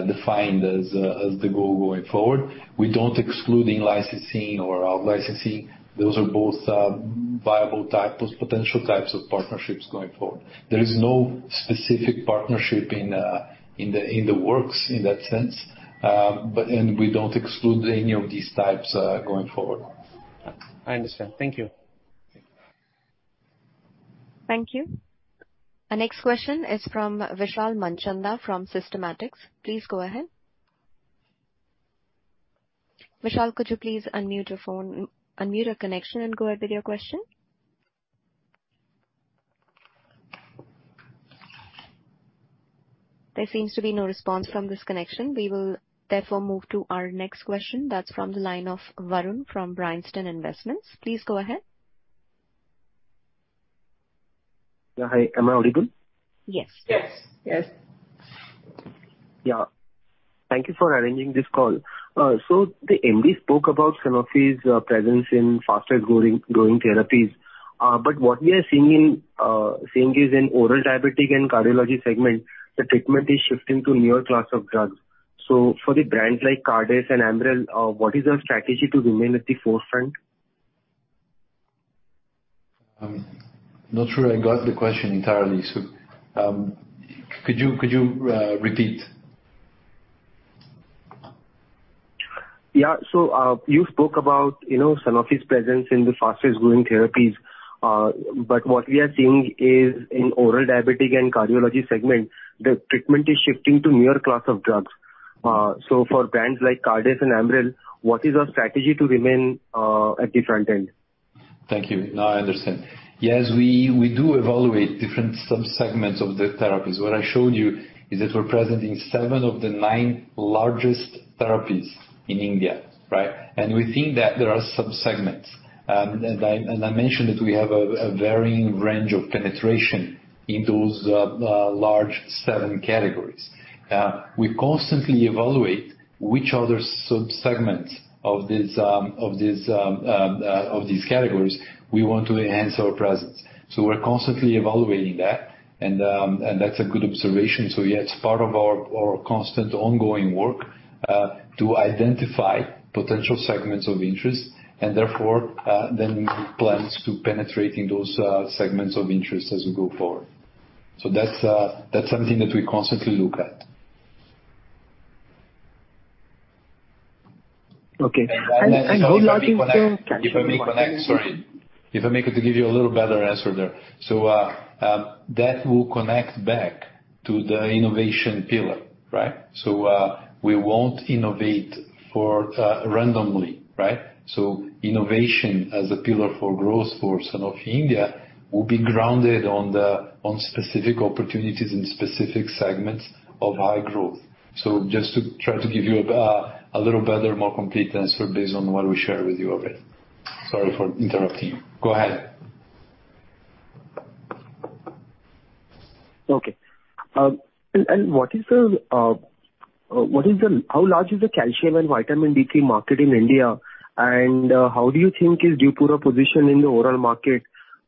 defined as the goal going forward. We don't exclude in-licensing or out-licensing. Those are both viable types, potential types of partnerships going forward. There is no specific partnership in the works in that sense. We don't exclude any of these types going forward. I understand. Thank you. Thank you. Our next question is from Vishal Manchanda from Systematix. Please go ahead. Vishal, could you please unmute your phone, unmute your connection and go ahead with your question. There seems to be no response from this connection. We will therefore move to our next question. That's from the line of Varun from Bryanston Investments. Please go ahead. Yeah. Hi, am I audible? Yes. Yes. Yeah. Thank you for arranging this call. The MD spoke about Sanofi's presence in faster growing therapies. What we are seeing is in oral diabetic and cardiology segment, the treatment is shifting to newer class of drugs. For the brands like Cardace and Amaryl, what is your strategy to remain at the forefront? Not sure I got the question entirely. Could you repeat? Yeah. You spoke about, you know, Sanofi's presence in the fastest growing therapies. What we are seeing is in oral diabetic and cardiology segment, the treatment is shifting to newer class of drugs. For brands like Cardace and Amaryl, what is your strategy to remain at the front end? Thank you. Now I understand. Yes, we do evaluate different sub-segments of the therapies. What I showed you is that we're present in seven of the nine largest therapies in India, right? Within that there are sub-segments. And I mentioned that we have a varying range of penetration in those large seven categories. We constantly evaluate which other sub-segments of these categories we want to enhance our presence. We're constantly evaluating that and that's a good observation. Yeah, it's part of our constant ongoing work to identify potential segments of interest and therefore, then make plans to penetrating those segments of interest as we go forward. That's something that we constantly look at. Okay. Sorry. If I may, could give you a little better answer there. That will connect back to the innovation pillar, right? We won't innovate for randomly, right? Innovation as a pillar for growth for Sanofi India will be grounded on specific opportunities in specific segments of high growth. Just to try to give you a little better, more complete answer based on what we shared with you already. Sorry for interrupting you. Go ahead. Okay. How large is the calcium and vitamin D3 market in India? How do you think is Duphaston positioned in the overall market?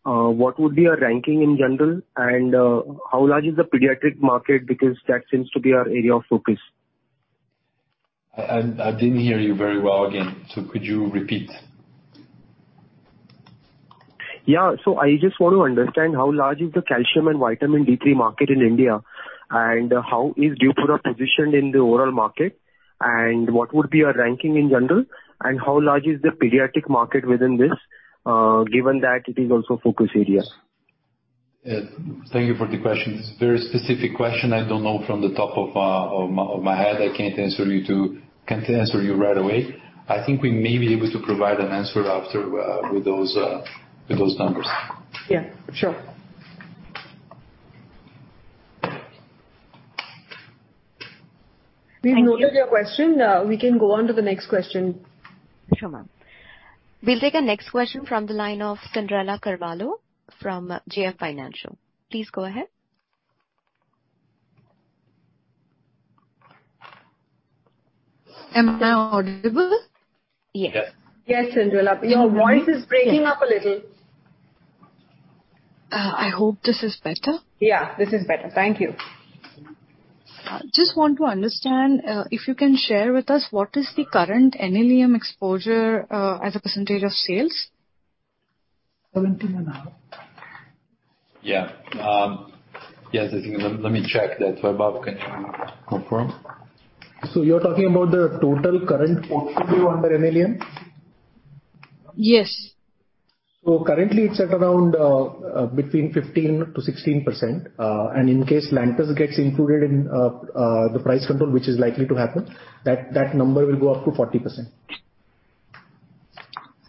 What would be your ranking in general? How large is the pediatric market? Because that seems to be our area of focus. I didn't hear you very well again. Could you repeat? Yeah. I just want to understand how large is the calcium and vitamin D3 market in India, and how is Duphaston positioned in the overall market, and what would be your ranking in general, and how large is the pediatric market within this, given that it is also focus area? Thank you for the question. It's a very specific question. I don't know from the top of my head. Can't answer you right away. I think we may be able to provide an answer after with those numbers. Yeah, sure. Thank you. We've noted your question. We can go on to the next question. Sure, ma'am. We'll take a next question from the line of Cyndrella Carvalho from JM Financial. Please go ahead. Am I now audible? Yes. Yes. Yes, Cyndrella, your voice is breaking up a little. I hope this is better. Yeah, this is better. Thank you. Just want to understand, if you can share with us what is the current NLEM exposure, as a percentage of sales? 7%-9% Yeah. Yes. Let me check that. Vaibhav, can you confirm? You're talking about the total current portfolio under NLEM? Yes. Currently it's at around 15%-16%. In case Lantus gets included in the price control, which is likely to happen, that number will go up to 40%.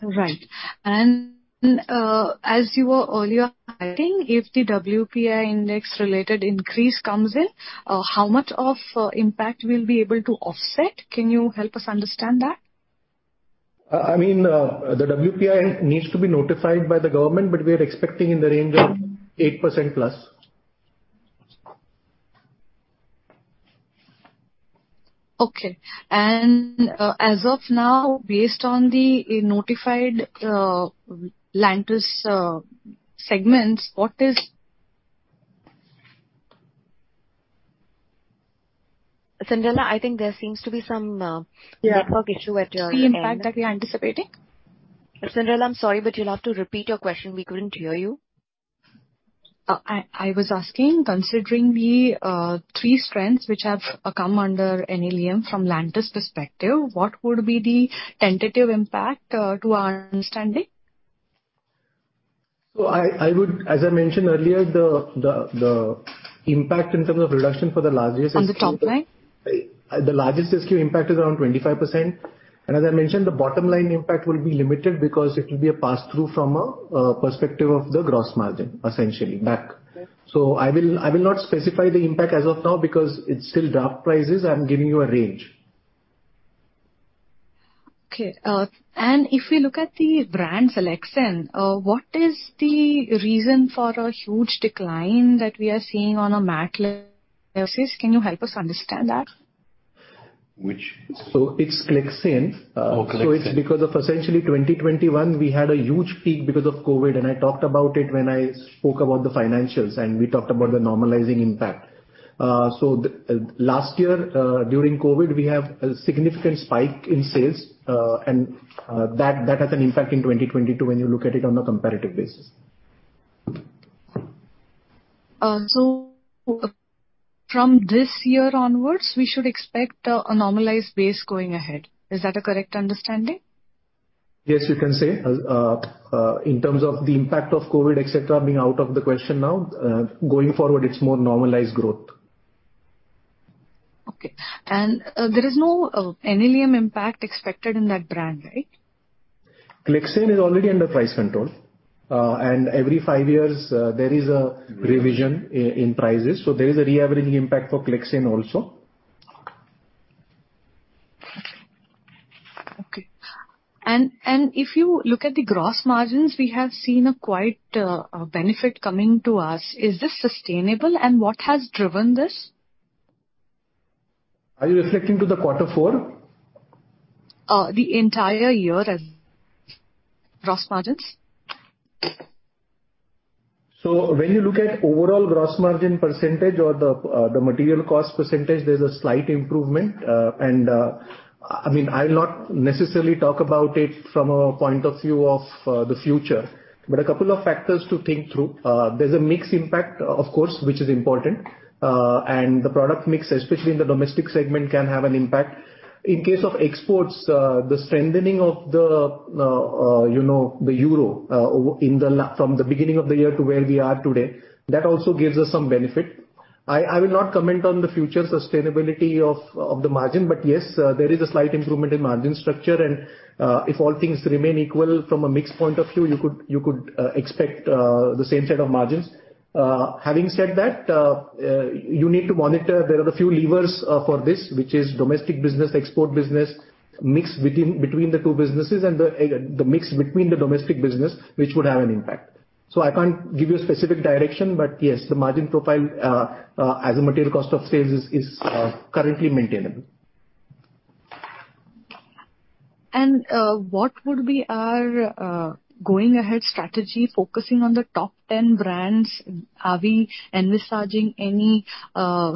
Right. As you were earlier adding, if the WPI index-related increase comes in, how much of impact we'll be able to offset? Can you help us understand that? I mean, the WPI needs to be notified by the government, but we are expecting in the range of 8%+. Okay. As of now, based on the notified, Lantus segments, what is? Cyndrella, I think there seems to be some- Yeah. -network issue at your end. The impact that we are anticipating. Cyndrella, I'm sorry, but you'll have to repeat your question. We couldn't hear you. I was asking, considering the three strengths which have come under NLEM from Lantus perspective, what would be the tentative impact to our understanding? As I mentioned earlier, the impact in terms of reduction for the largest SKU. On the top line. The largest SKU impact is around 25%. As I mentioned, the bottom line impact will be limited because it will be a pass-through from a perspective of the gross margin, essentially back. I will not specify the impact as of now because it is still draft prices. I am giving you a range. Okay. If we look at the brand selection, what is the reason for a huge decline that we are seeing on a Maclesis? Can you help us understand that? Which- It's Clexane. Oh, Clexane. It's because of essentially 2021, we had a huge peak because of COVID, and I talked about it when I spoke about the financials, and we talked about the normalizing impact. The last year, during COVID, we have a significant spike in sales, and that has an impact in 2022 when you look at it on a comparative basis. From this year onwards, we should expect a normalized base going ahead. Is that a correct understanding? Yes, you can say. In terms of the impact of COVID, et cetera, being out of the question now, going forward, it's more normalized growth. Okay. There is no NLEM impact expected in that brand, right? Clexane is already under price control. Every five years, there is a revision in prices. There is a re-averaging impact for Clexane also. Okay. Okay. If you look at the gross margins, we have seen a quite benefit coming to us. Is this sustainable, and what has driven this? Are you reflecting to the quarter four? The entire year as gross margins. When you look at overall gross margin percentage or the material cost percentage, there's a slight improvement. I mean, I'll not necessarily talk about it from a point of view of the future. A couple of factors to think through. There's a mix impact of course, which is important. The product mix, especially in the domestic segment, can have an impact. In case of exports, the strengthening of the, you know, the euro from the beginning of the year to where we are today, that also gives us some benefit. I will not comment on the future sustainability of the margin, yes, there is a slight improvement in margin structure. If all things remain equal from a mix point of view, you could expect the same set of margins. Having said that, you need to monitor. There are a few levers for this, which is domestic business, export business, mix within, between the two businesses and the mix between the domestic business, which would have an impact. I can't give you a specific direction, but yes, the margin profile as a material cost of sales is currently maintainable. What would be our going ahead strategy, focusing on the top 10 brands? Are we envisaging any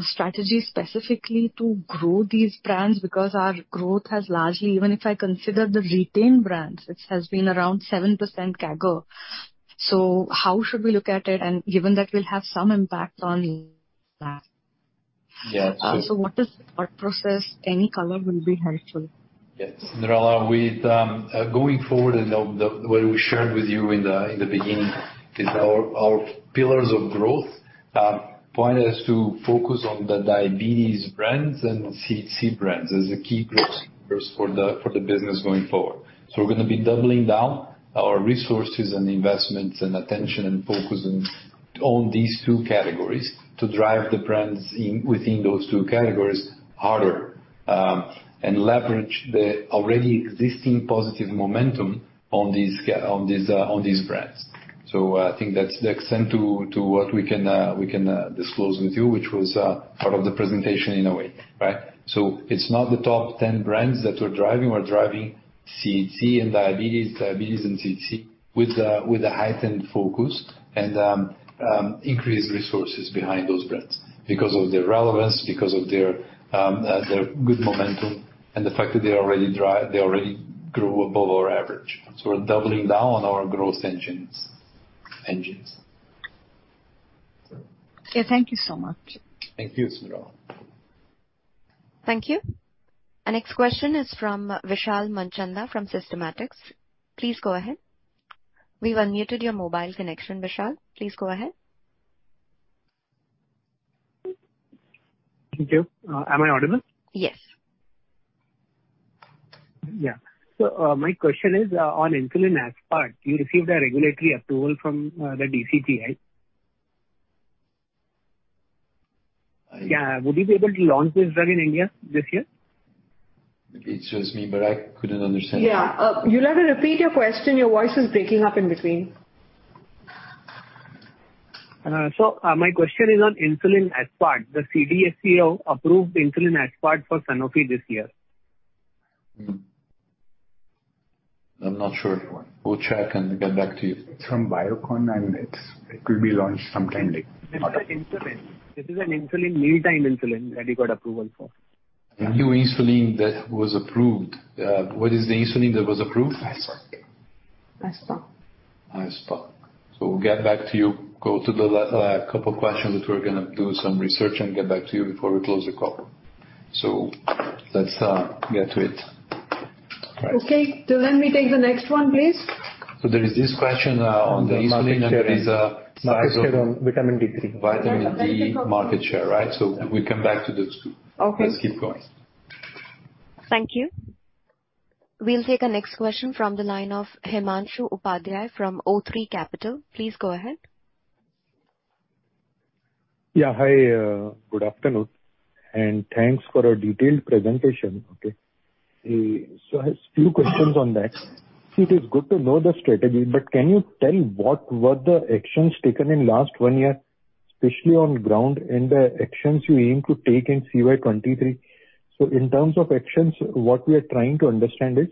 strategy specifically to grow these brands? Our growth has largely, even if I consider the retained brands, it has been around 7% CAGR. How should we look at it and given that we'll have some impact on? Yeah. What is our process? Any color will be helpful. Yes. Cyndrella, with, going forward and the, the way we shared with you in the beginning is our pillars of growth, point us to focus on the diabetes brands and CHC brands as the key growth first for the business going forward. We're gonna be doubling down our resources and investments and attention and focusing on these two categories to drive the brands in, within those two categories harder, and leverage the already existing positive momentum on these brands. I think that's the extent to what we can disclose with you, which was part of the presentation in a way, right? It's not the top 10 brands that we're driving. We're driving CVT and diabetes and CVT with a heightened focus and increased resources behind those brands because of their relevance, because of their good momentum and the fact that they already grew above our average. We're doubling down on our growth engines. Yeah, thank you so much. Thank you, Cyndrella. Thank you. Our next question is from Vishal Manchanda from Systematix. Please go ahead. We've unmuted your mobile connection, Vishal. Please go ahead. Thank you. Am I audible? Yes. Yeah. My question is on insulin aspart. You received a regulatory approval from the DCGI. I- Yeah. Would you be able to launch this drug in India this year? It shows me, but I couldn't understand. Yeah. You'll have to repeat your question. Your voice is breaking up in between. My question is on insulin aspart. The CDSCO approved insulin aspart for Sanofi this year. I'm not sure. We'll check and get back to you. It's from Biocon, and it will be launched sometime late. This is insulin. This is an insulin, mealtime insulin that you got approval for. A new insulin that was approved. What is the insulin that was approved? Aspart. Aspart. Aspart. We'll get back to you. Go to the couple questions, which we're going to do some research and get back to you before we close the call. Let's get to it. Right. Okay. Let me take the next one, please. There is this question on the insulin and. Market share on vitamin D3. Vitamin D market share. Right. We'll come back to those two. Okay. Let's keep going. Thank you. We'll take our next question from the line of Himanshu Upadhyay from o3 Capital. Please go ahead. Yeah. Hi. good afternoon, and thanks for a detailed presentation. Okay. I have few questions on that. It is good to know the strategy, but can you tell what were the actions taken in last one year, especially on ground, and the actions you aim to take in CY 2023? in terms of actions, what we are trying to understand is,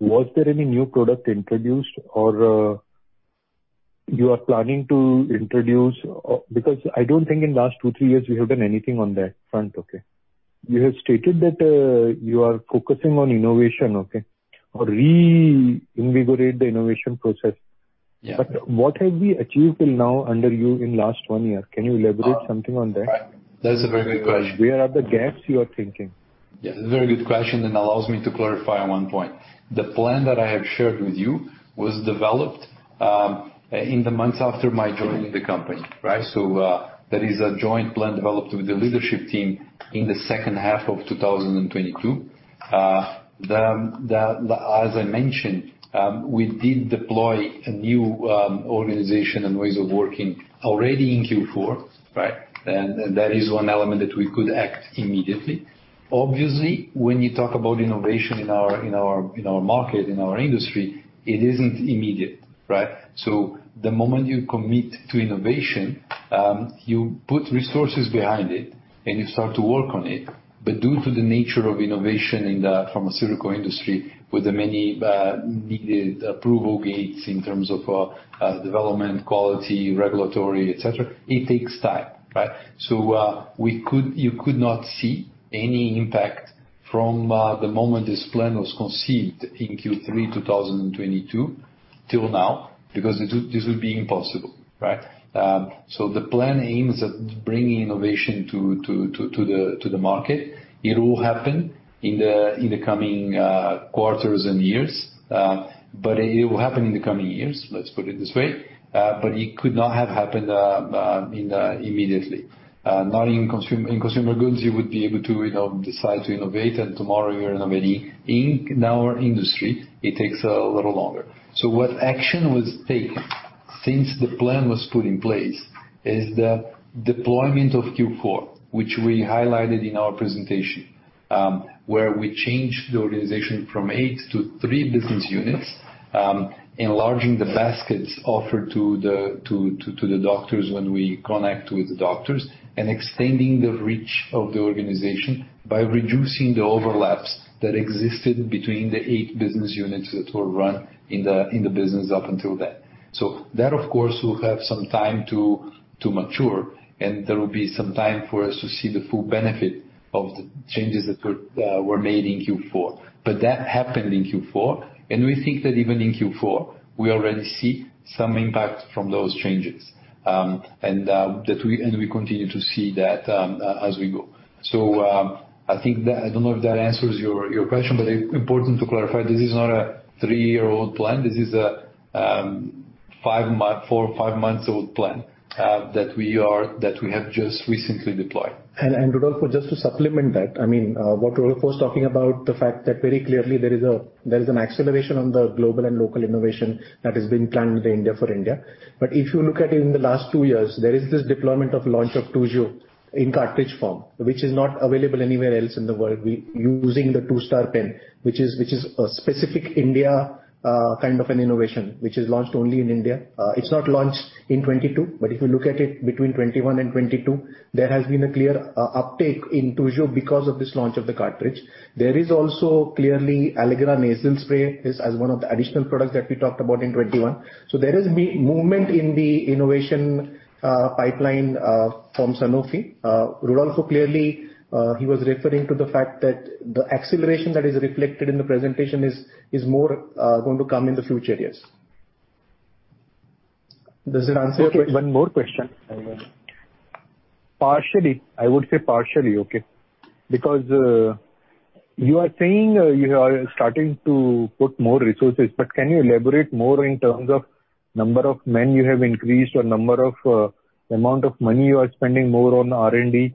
was there any new product introduced or you are planning to introduce? Or... I don't think in last two, three years we have done anything on that front, okay? You have stated that you are focusing on innovation, okay? Or reinvigorate the innovation process. Yeah. What have we achieved till now under you in last one year? Can you elaborate something on that? That is a very good question. Where are the gaps you are thinking? Very good question, and allows me to clarify one point. The plan that I have shared with you was developed in the months after my joining the company, right? That is a joint plan developed with the leadership team in the second half of 2022. The, as I mentioned, we did deploy a new organization and ways of working already in Q4, right? That is one element that we could act immediately. Obviously, when you talk about innovation in our, in our, in our market, in our industry, it isn't immediate, right? The moment you commit to innovation, you put resources behind it and you start to work on it. Due to the nature of innovation in the pharmaceutical industry, with the many needed approval gates in terms of development, quality, regulatory, et cetera, it takes time, right? You could not see any impact from the moment this plan was conceived in Q3 2022 till now, because it would, this would be impossible, right? The plan aims at bringing innovation to the market. It will happen in the coming quarters and years, but it will happen in the coming years, let's put it this way. It could not have happened immediately. In consumer goods, you would be able to, you know, decide to innovate and tomorrow you're innovating. In our industry, it takes a little longer. What action was taken since the plan was put in place is the deployment of Q4, which we highlighted in our presentation, where we changed the organization from eight to three business units, enlarging the baskets offered to the doctors when we connect with the doctors, and extending the reach of the organization by reducing the overlaps that existed between the 8 business units that were run in the business up until then. That of course will have some time to mature and there will be some time for us to see the full benefit of the changes that were made in Q4. That happened in Q4, and we think that even in Q4 we already see some impact from those changes. That we... We continue to see that as we go. I think that. I don't know if that answers your question, but important to clarify, this is not a three-year-old plan. This is a four or five months old plan that we have just recently deployed. Rodolfo, just to supplement that, I mean, what Rodolfo's talking about, the fact that very clearly there is an acceleration on the global and local innovation that has been planned with India for India. If you look at it in the last two years, there is this deployment of launch of Toujeo in cartridge form, which is not available anywhere else in the world. Using the SoloStar pen, which is, which is a specific India, kind of an innovation, which is launched only in India. It's not launched in 2022, but if you look at it between 2021 and 2022, there has been a clear uptake in Toujeo because of this launch of the cartridge. There is also clearly Allegra nasal spray is as one of the additional products that we talked about in 2021. There is movement in the innovation pipeline from Sanofi. Rodolfo clearly, he was referring to the fact that the acceleration that is reflected in the presentation is more going to come in the future years. Does that answer your question? One more question. Partially. I would say partially, okay? Because you are saying you are starting to put more resources, but can you elaborate more in terms of number of men you have increased or number of amount of money you are spending more on R&D?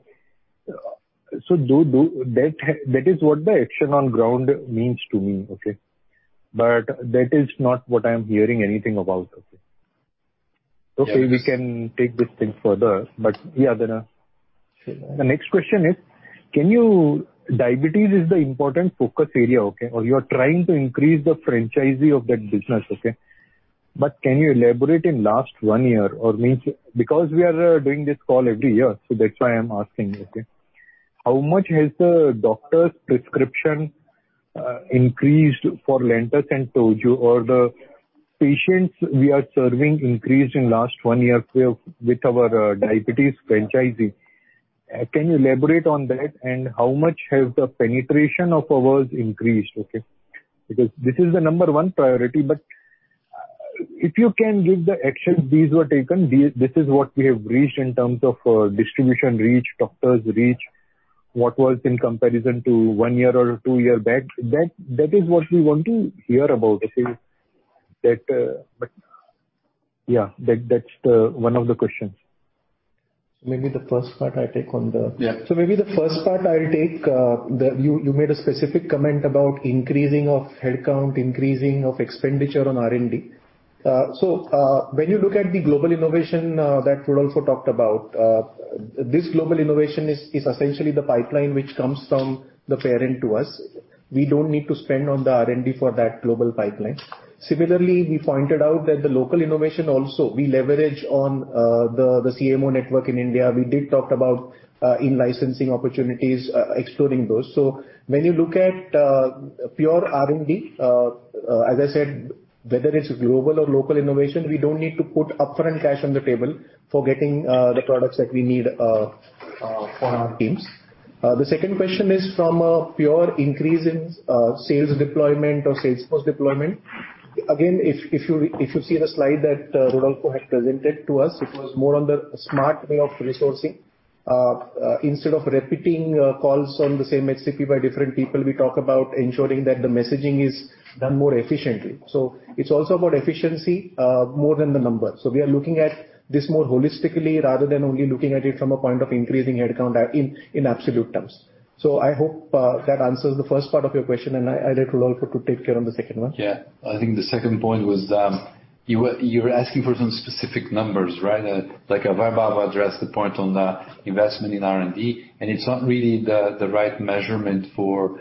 That is what the action on ground means to me, okay? That is not what I am hearing anything about. Okay. Yes. Okay, we can take this thing further. Yeah, the next question is, Diabetes is the important focus area, okay? You are trying to increase the franchisee of that business, okay? Can you elaborate in last one year or means... Because we are doing this call every year, so that's why I'm asking, okay. How much has the doctor's prescription increased for Lantus and Toujeo or the patients we are serving increased in last one year with our diabetes franchising? Can you elaborate on that? And how much has the penetration of ours increased? Okay. This is the number one priority. If you can give the actions these were taken, this is what we have reached in terms of distribution reach, doctors reach, what was in comparison to one year or two year back, that is what we want to hear about. Okay. Yeah, that's the one of the questions. Maybe the first part I take on. Yeah. Maybe the first part I take You made a specific comment about increasing of headcount, increasing of expenditure on R&D. When you look at the global innovation that Rodolfo talked about, this global innovation is essentially the pipeline which comes from the parent to us. We don't need to spend on the R&D for that global pipeline. Similarly, we pointed out that the local innovation also we leverage on the CMO network in India. We did talk about in-licensing opportunities, exploring those. When you look at pure R&D, as I said, whether it's global or local innovation, we don't need to put upfront cash on the table for getting the products that we need for our teams. The second question is from a pure increase in sales deployment or sales force deployment. Again, if you see the slide that Rodolfo had presented to us, it was more on the smart way of resourcing. Instead of repeating calls on the same HCP by different people, we talk about ensuring that the messaging is done more efficiently. It's also about efficiency more than the numbers. We are looking at this more holistically rather than only looking at it from a point of increasing headcount in absolute terms. I hope that answers the first part of your question, and I leave Rodolfo to take care on the second one. I think the second point was, you were asking for some specific numbers, right? Like Vaibhav addressed the point on the investment in R&D, it's not really the right measurement for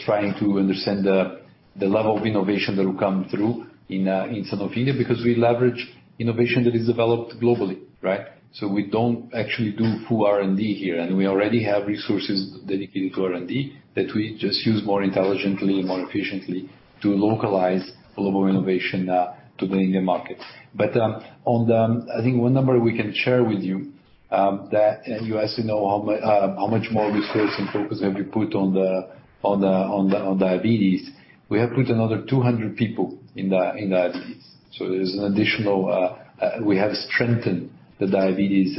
trying to understand the level of innovation that will come through in Sanofi India because we leverage innovation that is developed globally, right? We don't actually do full R&D here. We already have resources dedicated to R&D that we just use more intelligently and more efficiently to localize global innovation to the Indian market. I think one number we can share with you that you asked to know how much more resource and focus have we put on diabetes. We have put another 200 people in diabetes. We have strengthened the diabetes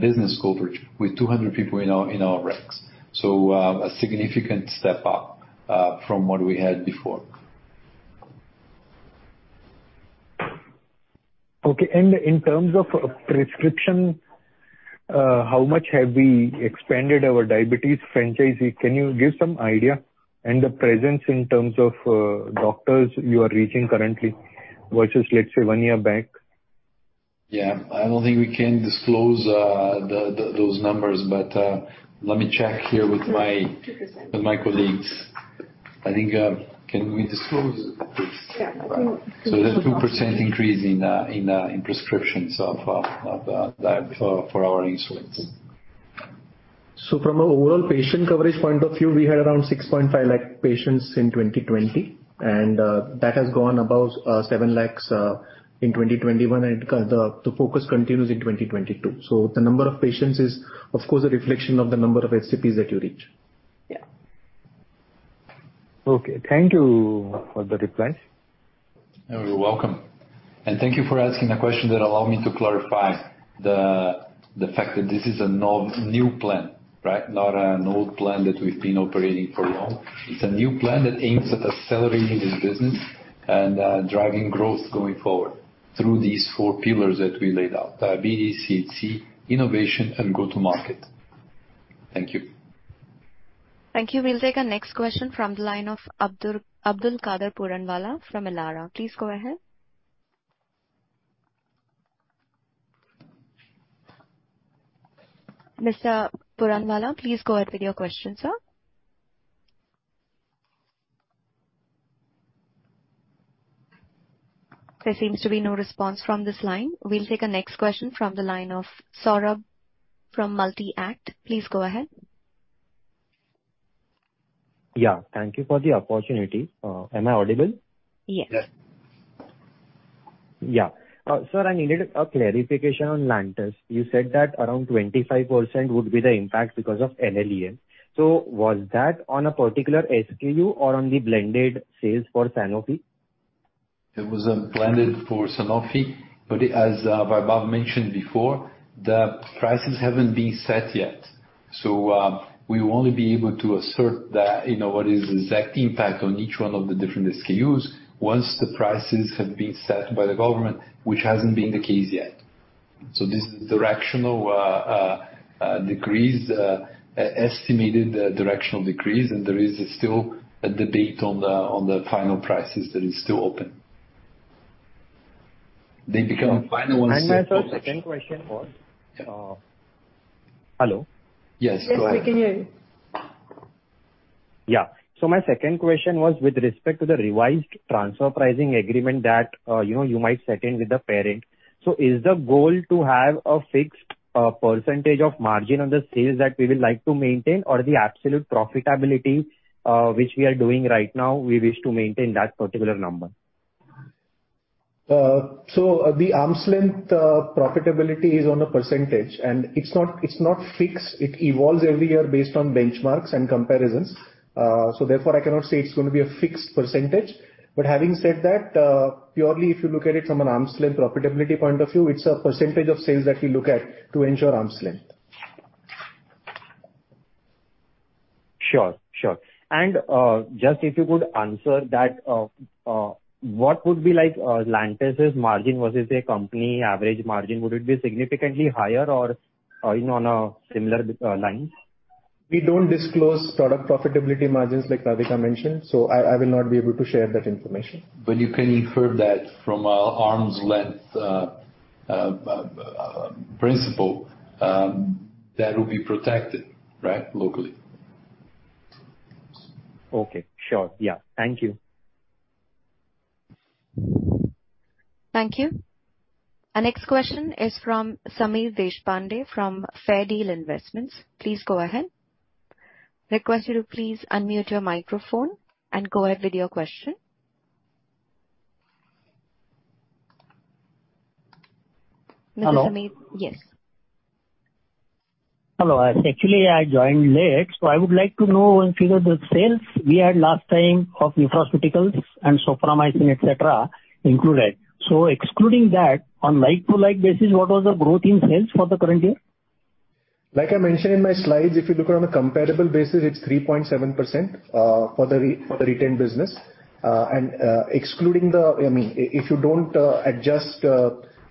business coverage with 200 people in our ranks. A significant step up from what we had before. Okay. In terms of prescription, how much have we expanded our diabetes franchisee? Can you give some idea? The presence in terms of doctors you are reaching currently versus, let's say, one year back. Yeah. I don't think we can disclose, those numbers, but let me check here with 2%. With my colleagues. I think, Can we disclose this? Yeah. There's 2% increase in prescriptions of for our insulin. From a overall patient coverage point of view, we had around 6.5 lakh patients in 2020, and that has gone above 7 lakhs in 2021, and the focus continues in 2022. The number of patients is of course, a reflection of the number of HCPs that you reach. Yeah. Okay. Thank you for the replies. You're welcome. Thank you for asking a question that allowed me to clarify the fact that this is a new plan, right? Not an old plan that we've been operating for long. It's a new plan that aims at accelerating the business and driving growth going forward through these four pillars that we laid out, diabetes, CHC, innovation, and go-to-market. Thank you. Thank you. We'll take our next question from the line of Abdulkader Puranwala from Elara. Please go ahead. Mr. Puranwala, please go ahead with your question, sir. There seems to be no response from this line. We'll take our next question from the line of Saurabh from Multi-Act. Please go ahead. Yeah. Thank you for the opportunity. Am I audible? Yes. Yes. sir, I needed a clarification on Lantus. You said that around 25% would be the impact because of NLEM. Was that on a particular SKU or on the blended sales for Sanofi? It was blended for Sanofi. As Vaibhav mentioned before, the prices haven't been set yet. We will only be able to assert the, you know, what is the exact impact on each one of the different SKUs once the prices have been set by the government, which hasn't been the case yet. This is directional decrease, estimated directional decrease, and there is still a debate on the final prices that is still open. They become final once- My Second question was. Hello? Yes, go ahead. Yes, we can hear you. Yeah. My second question was with respect to the revised transfer pricing agreement that, you know, you might set in with the parent. Is the goal to have a fixed percentage of margin on the sales that we would like to maintain or the absolute profitability, which we are doing right now, we wish to maintain that particular number? The arm's length profitability is on a percentage, and it's not fixed. It evolves every year based on benchmarks and comparisons. Therefore, I cannot say it's gonna be a fixed percentage. Having said that, purely if you look at it from an arm's length profitability point of view, it's a percentage of sales that we look at to ensure arm's length. Sure, sure. Just if you could answer that, what would be like Lantus' margin versus a company average margin? Would it be significantly higher or, you know, on a similar line? We don't disclose product profitability margins like Radhika mentioned, so I will not be able to share that information. You can infer that from a arm's length principle that will be protected, right? Locally. Okay. Sure. Yeah. Thank you. Thank you. Our next question is from Sameer Deshpande from Fair Deal Investments. Please go ahead. Request you to please unmute your microphone and go ahead with your question. Mr. Sameer- Hello. Yes. Hello. Actually, I joined late, I would like to know if, you know, the sales we had last time of nutraceuticals and Soframycin, et cetera, included. Excluding that, on like-to-like basis, what was the growth in sales for the current year? Like I mentioned in my slides, if you look at on a comparable basis, it's 3.7% for the retained business. I mean, if you don't adjust,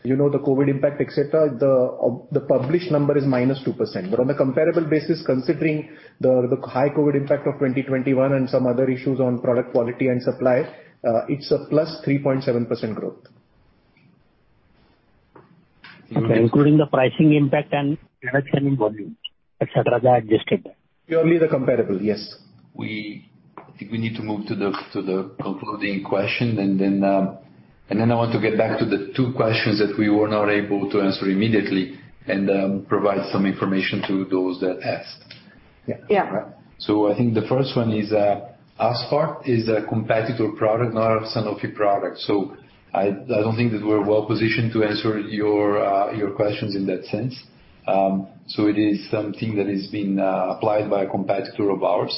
you know, the COVID impact, et cetera, the published number is -2%. On a comparable basis, considering the high COVID impact of 2021 and some other issues on product quality and supply, it's a +3.7% growth. Okay. Including the pricing impact and reduction in volume, et cetera, they are adjusted? Purely the comparable, yes. We I think we need to move to the, to the concluding question, and then, and then I want to get back to the two questions that we were not able to answer immediately and provide some information to those that asked. Yeah. Yeah. I think the first one is, Aspart is a competitor product, not a Sanofi product. I don't think that we're well positioned to answer your questions in that sense. It is something that is being applied by a competitor of ours.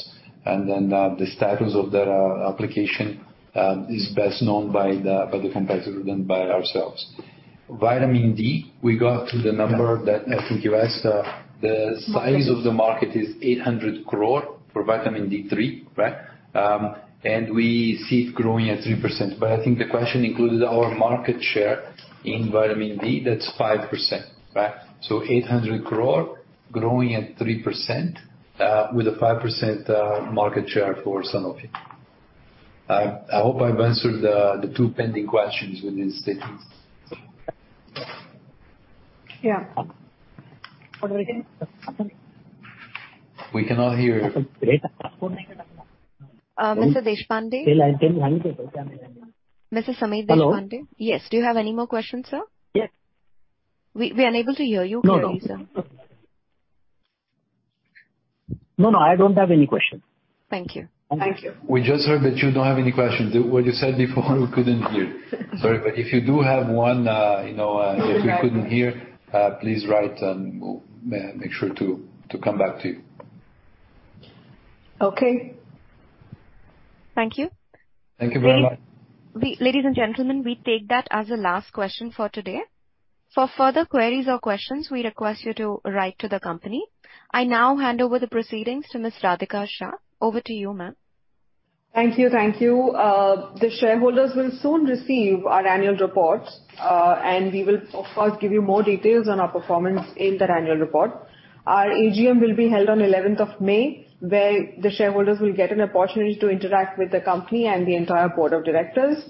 The status of their application is best known by the competitor than by ourselves. Vitamin D, we got to the number that I think you asked. The size of the market is 800 crore for vitamin D3, right? We see it growing at 3%. I think the question included our market share in vitamin D. That's 5%, right? 800 crore growing at 3%, with a 5% market share for Sanofi. I hope I've answered the two pending questions with these statements. Yeah. We cannot hear. Mr. Deshpande. Mr. Sameer Deshpande. Hello. Yes. Do you have any more questions, sir? Yes. We unable to hear you. No, no. Can you hear me, sir? No, no, I don't have any questions. Thank you. We just heard that you don't have any questions. What you said before, we couldn't hear. Sorry. If you do have one, you know. We tried. If we couldn't hear, please write and we'll make sure to come back to you. Okay. Thank you. Thank you very much. Ladies and gentlemen, we take that as the last question for today. For further queries or questions, we request you to write to the company. I now hand over the proceedings to Ms. Radhika Shah. Over to you, ma'am. Thank you. Thank you. The shareholders will soon receive our annual report, and we will of course give you more details on our performance in that annual report. Our AGM will be held on eleventh of May, where the shareholders will get an opportunity to interact with the company and the entire board of directors.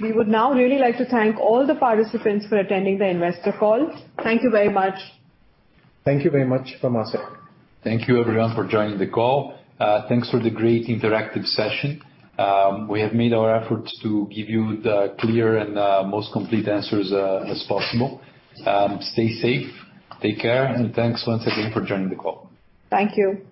We would now really like to thank all the participants for attending the investor call. Thank you very much. Thank you very much from our side. Thank you everyone for joining the call. Thanks for the great interactive session. We have made our efforts to give you the clear and most complete answers as possible. Stay safe, take care, and thanks once again for joining the call. Thank you.